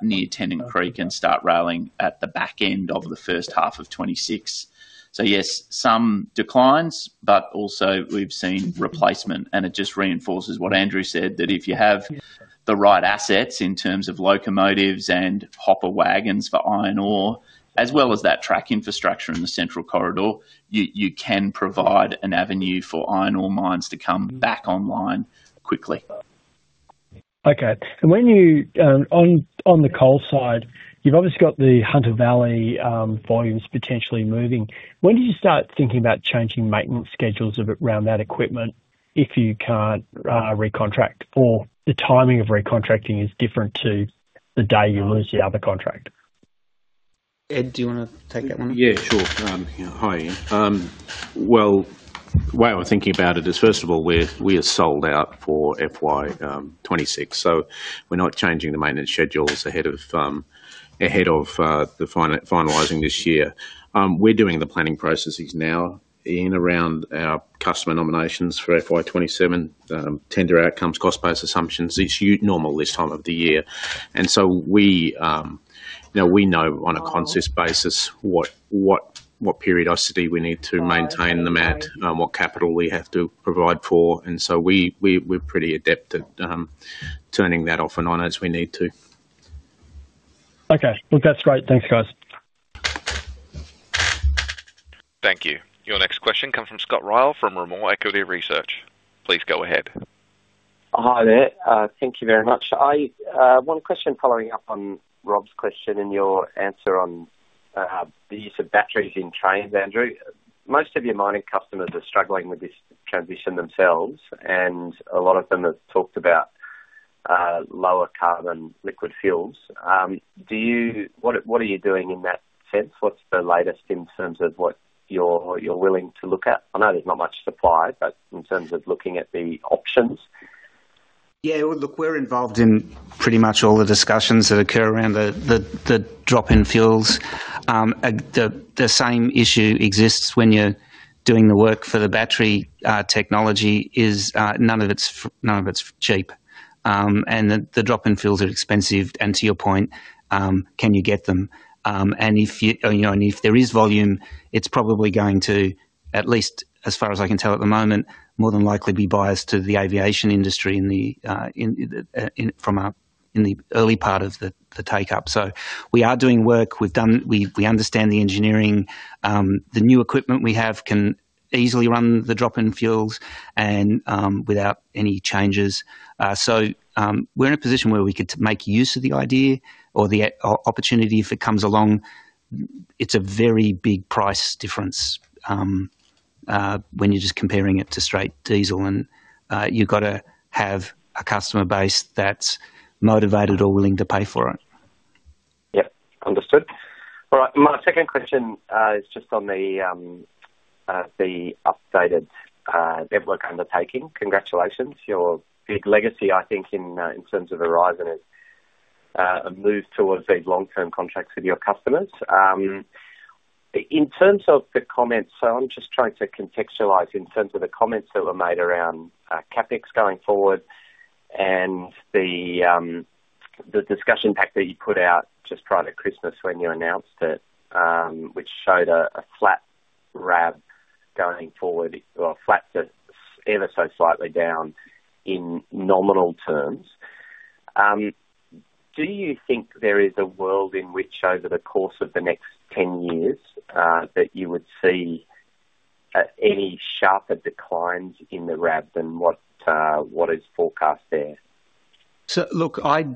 [SPEAKER 6] near Tennant Creek and start railing at the back end of the first half of 2026. So yes, some declines, but also we've seen replacement, and it just reinforces what Andrew said, that if you have the right assets in terms of locomotives and hopper wagons for iron ore, as well as that track infrastructure in the central corridor, you, you can provide an avenue for iron ore mines to come back online quickly....
[SPEAKER 14] Okay, and when you on, on the coal side, you've obviously got the Hunter Valley volumes potentially moving. When do you start thinking about changing maintenance schedules around that equipment if you can't recontract, or the timing of recontracting is different to the day you lose the other contract?
[SPEAKER 1] Ed, do you want to take that one?
[SPEAKER 5] Yeah, sure. Hi, Ian. Well, the way I was thinking about it is, first of all, we're, we are sold out for FY 26, so we're not changing the maintenance schedules ahead of finalizing this year. We're doing the planning processes now around our customer nominations for FY 27, tender outcomes, cost base assumptions this year, normal this time of the year. And so now we know on a consistent basis what periodicity we need to maintain them at and what capital we have to provide for, and so we're pretty adept at turning that off and on as we need to.
[SPEAKER 14] Okay. Look, that's great. Thanks, guys.
[SPEAKER 3] Thank you. Your next question comes from Scott Ryall, from Rimor Equity Research. Please go ahead.
[SPEAKER 15] Hi there. Thank you very much. One question following up on Rob's question and your answer on the use of batteries in trains, Andrew. Most of your mining customers are struggling with this transition themselves, and a lot of them have talked about lower carbon liquid fuels. Do you... What are you doing in that sense? What's the latest in terms of what you're willing to look at? I know there's not much supply, but in terms of looking at the options.
[SPEAKER 1] Yeah, well, look, we're involved in pretty much all the discussions that occur around the drop-in fuels. The same issue exists when you're doing the work for the battery technology is none of it's cheap. And the drop-in fuels are expensive, and to your point, can you get them? And if you, you know, and if there is volume, it's probably going to, at least as far as I can tell at the moment, more than likely be biased to the aviation industry in the early part of the take-up. So we are doing work. We've done. We understand the engineering. The new equipment we have can easily run the drop-in fuels and without any changes. So, we're in a position where we could make use of the idea or the opportunity if it comes along. It's a very big price difference, when you're just comparing it to straight diesel, and you've got to have a customer base that's motivated or willing to pay for it.
[SPEAKER 15] Yep, understood. All right, my second question is just on the updated network undertaking. Congratulations! Your big legacy, I think, in terms of Aurizon is a move towards these long-term contracts with your customers. In terms of the comments, so I'm just trying to contextualize in terms of the comments that were made around CapEx going forward and the discussion pack that you put out just prior to Christmas when you announced it, which showed a flat RAB going forward or flat to ever so slightly down in nominal terms. Do you think there is a world in which, over the course of the next 10 years, that you would see any sharper declines in the RAB than what is forecast there?
[SPEAKER 1] So look, I'd,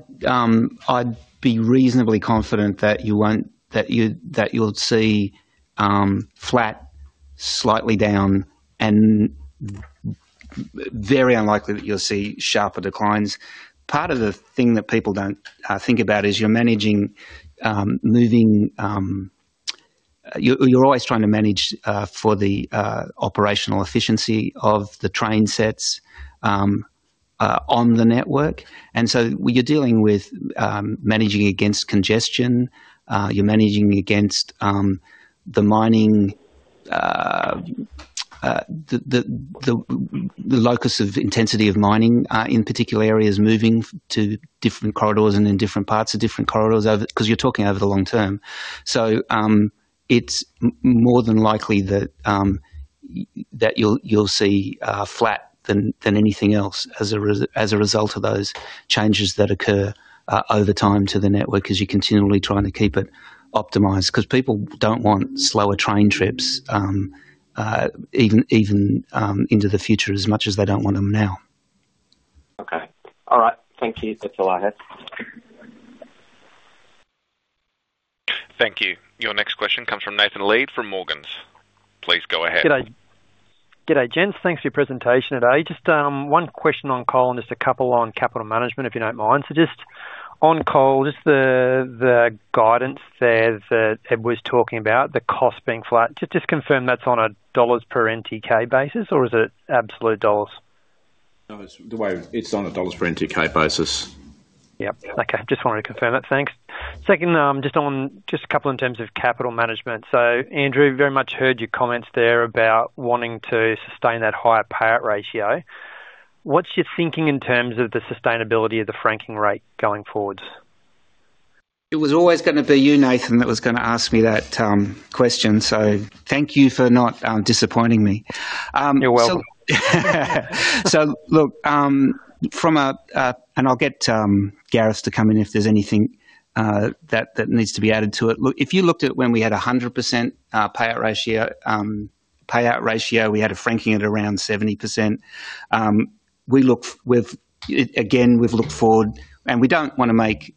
[SPEAKER 1] I'd be reasonably confident that you won't... That you, that you'll see, flat, slightly down, and very unlikely that you'll see sharper declines. Part of the thing that people don't think about is you're managing, you're always trying to manage for the operational efficiency of the train sets on the network. And so you're dealing with managing against congestion, you're managing against the mining, the locus of intensity of mining in particular areas, moving to different corridors and in different parts or different corridors over... because you're talking over the long term. So, it's more than likely that you'll see flat than anything else as a result of those changes that occur over time to the network, as you're continually trying to keep it optimized. Because people don't want slower train trips even into the future as much as they don't want them now.
[SPEAKER 15] Okay. All right. Thank you. That's all I have.
[SPEAKER 3] Thank you. Your next question comes from Nathan Lead from Morgans. Please go ahead.
[SPEAKER 16] G'day. G'day, gents. Thanks for your presentation today. Just one question on coal and just a couple on capital management, if you don't mind. So just on coal, just the guidance there that Ed was talking about, the cost being flat. Just confirm that's on a dollars per NTK basis or is it absolute dollars?
[SPEAKER 5] No, it's the way... It's on a dollars per NTK basis.
[SPEAKER 16] Yep. Okay, just wanted to confirm that. Thanks. Second, just on, just a couple in terms of capital management. So Andrew, very much heard your comments there about wanting to sustain that higher payout ratio. What's your thinking in terms of the sustainability of the franking rate going forward?
[SPEAKER 1] It was always gonna be you, Nathan, that was gonna ask me that question, so thank you for not disappointing me.
[SPEAKER 16] You're welcome.
[SPEAKER 1] So look, from a... And I'll get Gareth to come in if there's anything that needs to be added to it. Look, if you looked at when we had 100% payout ratio, payout ratio, we had a franking at around 70%. We look—we've again, we've looked forward, and we don't want to make...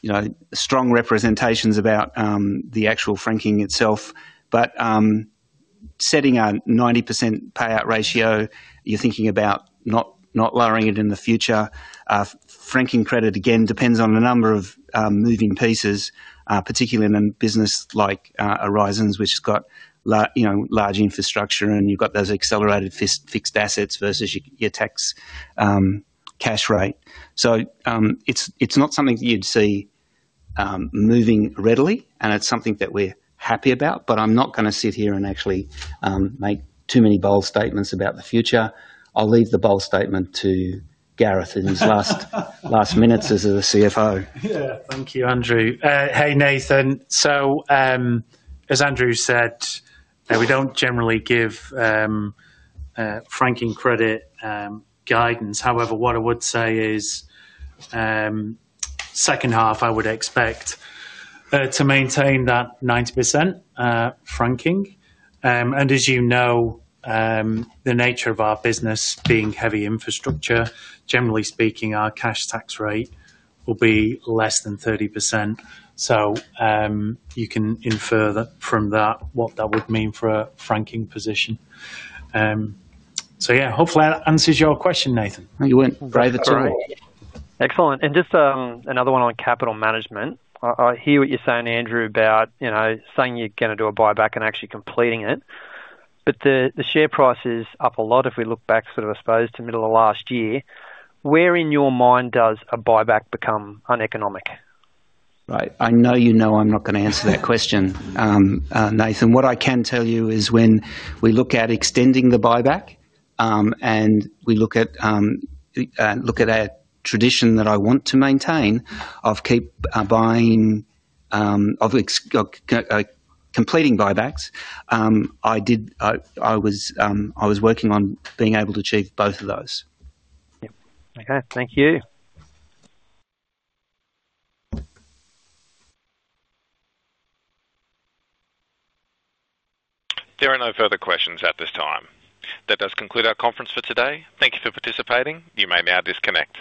[SPEAKER 1] You know, strong representations about the actual franking itself. But setting a 90% payout ratio, you're thinking about not lowering it in the future. Franking credit, again, depends on a number of moving pieces, particularly in a business like Aurizon's, which has got, you know, large infrastructure, and you've got those accelerated fixed assets versus your tax cash rate. So, it's not something that you'd see moving readily, and it's something that we're happy about. But I'm not gonna sit here and actually make too many bold statements about the future. I'll leave the bold statement to Gareth in his last minutes as a CFO.
[SPEAKER 2] Yeah. Thank you, Andrew. Hey, Nathan. So, as Andrew said, we don't generally give franking credit guidance. However, what I would say is, second half, I would expect to maintain that 90% franking. And as you know, the nature of our business being heavy infrastructure, generally speaking, our cash tax rate will be less than 30%. So, you can infer that, from that, what that would mean for a franking position. So yeah, hopefully that answers your question, Nathan.
[SPEAKER 1] You went right the time.
[SPEAKER 16] Excellent. Just another one on capital management. I hear what you're saying, Andrew, about, you know, saying you're gonna do a buyback and actually completing it, but the share price is up a lot if we look back sort of, I suppose, to middle of last year. Where in your mind does a buyback become uneconomic?
[SPEAKER 1] Right. I know you know I'm not gonna answer that question, Nathan. What I can tell you is when we look at extending the buyback, and we look at a tradition that I want to maintain, of completing buybacks, I did—I was working on being able to achieve both of those.
[SPEAKER 16] Yep. Okay, thank you.
[SPEAKER 3] There are no further questions at this time. That does conclude our conference for today. Thank you for participating. You may now disconnect.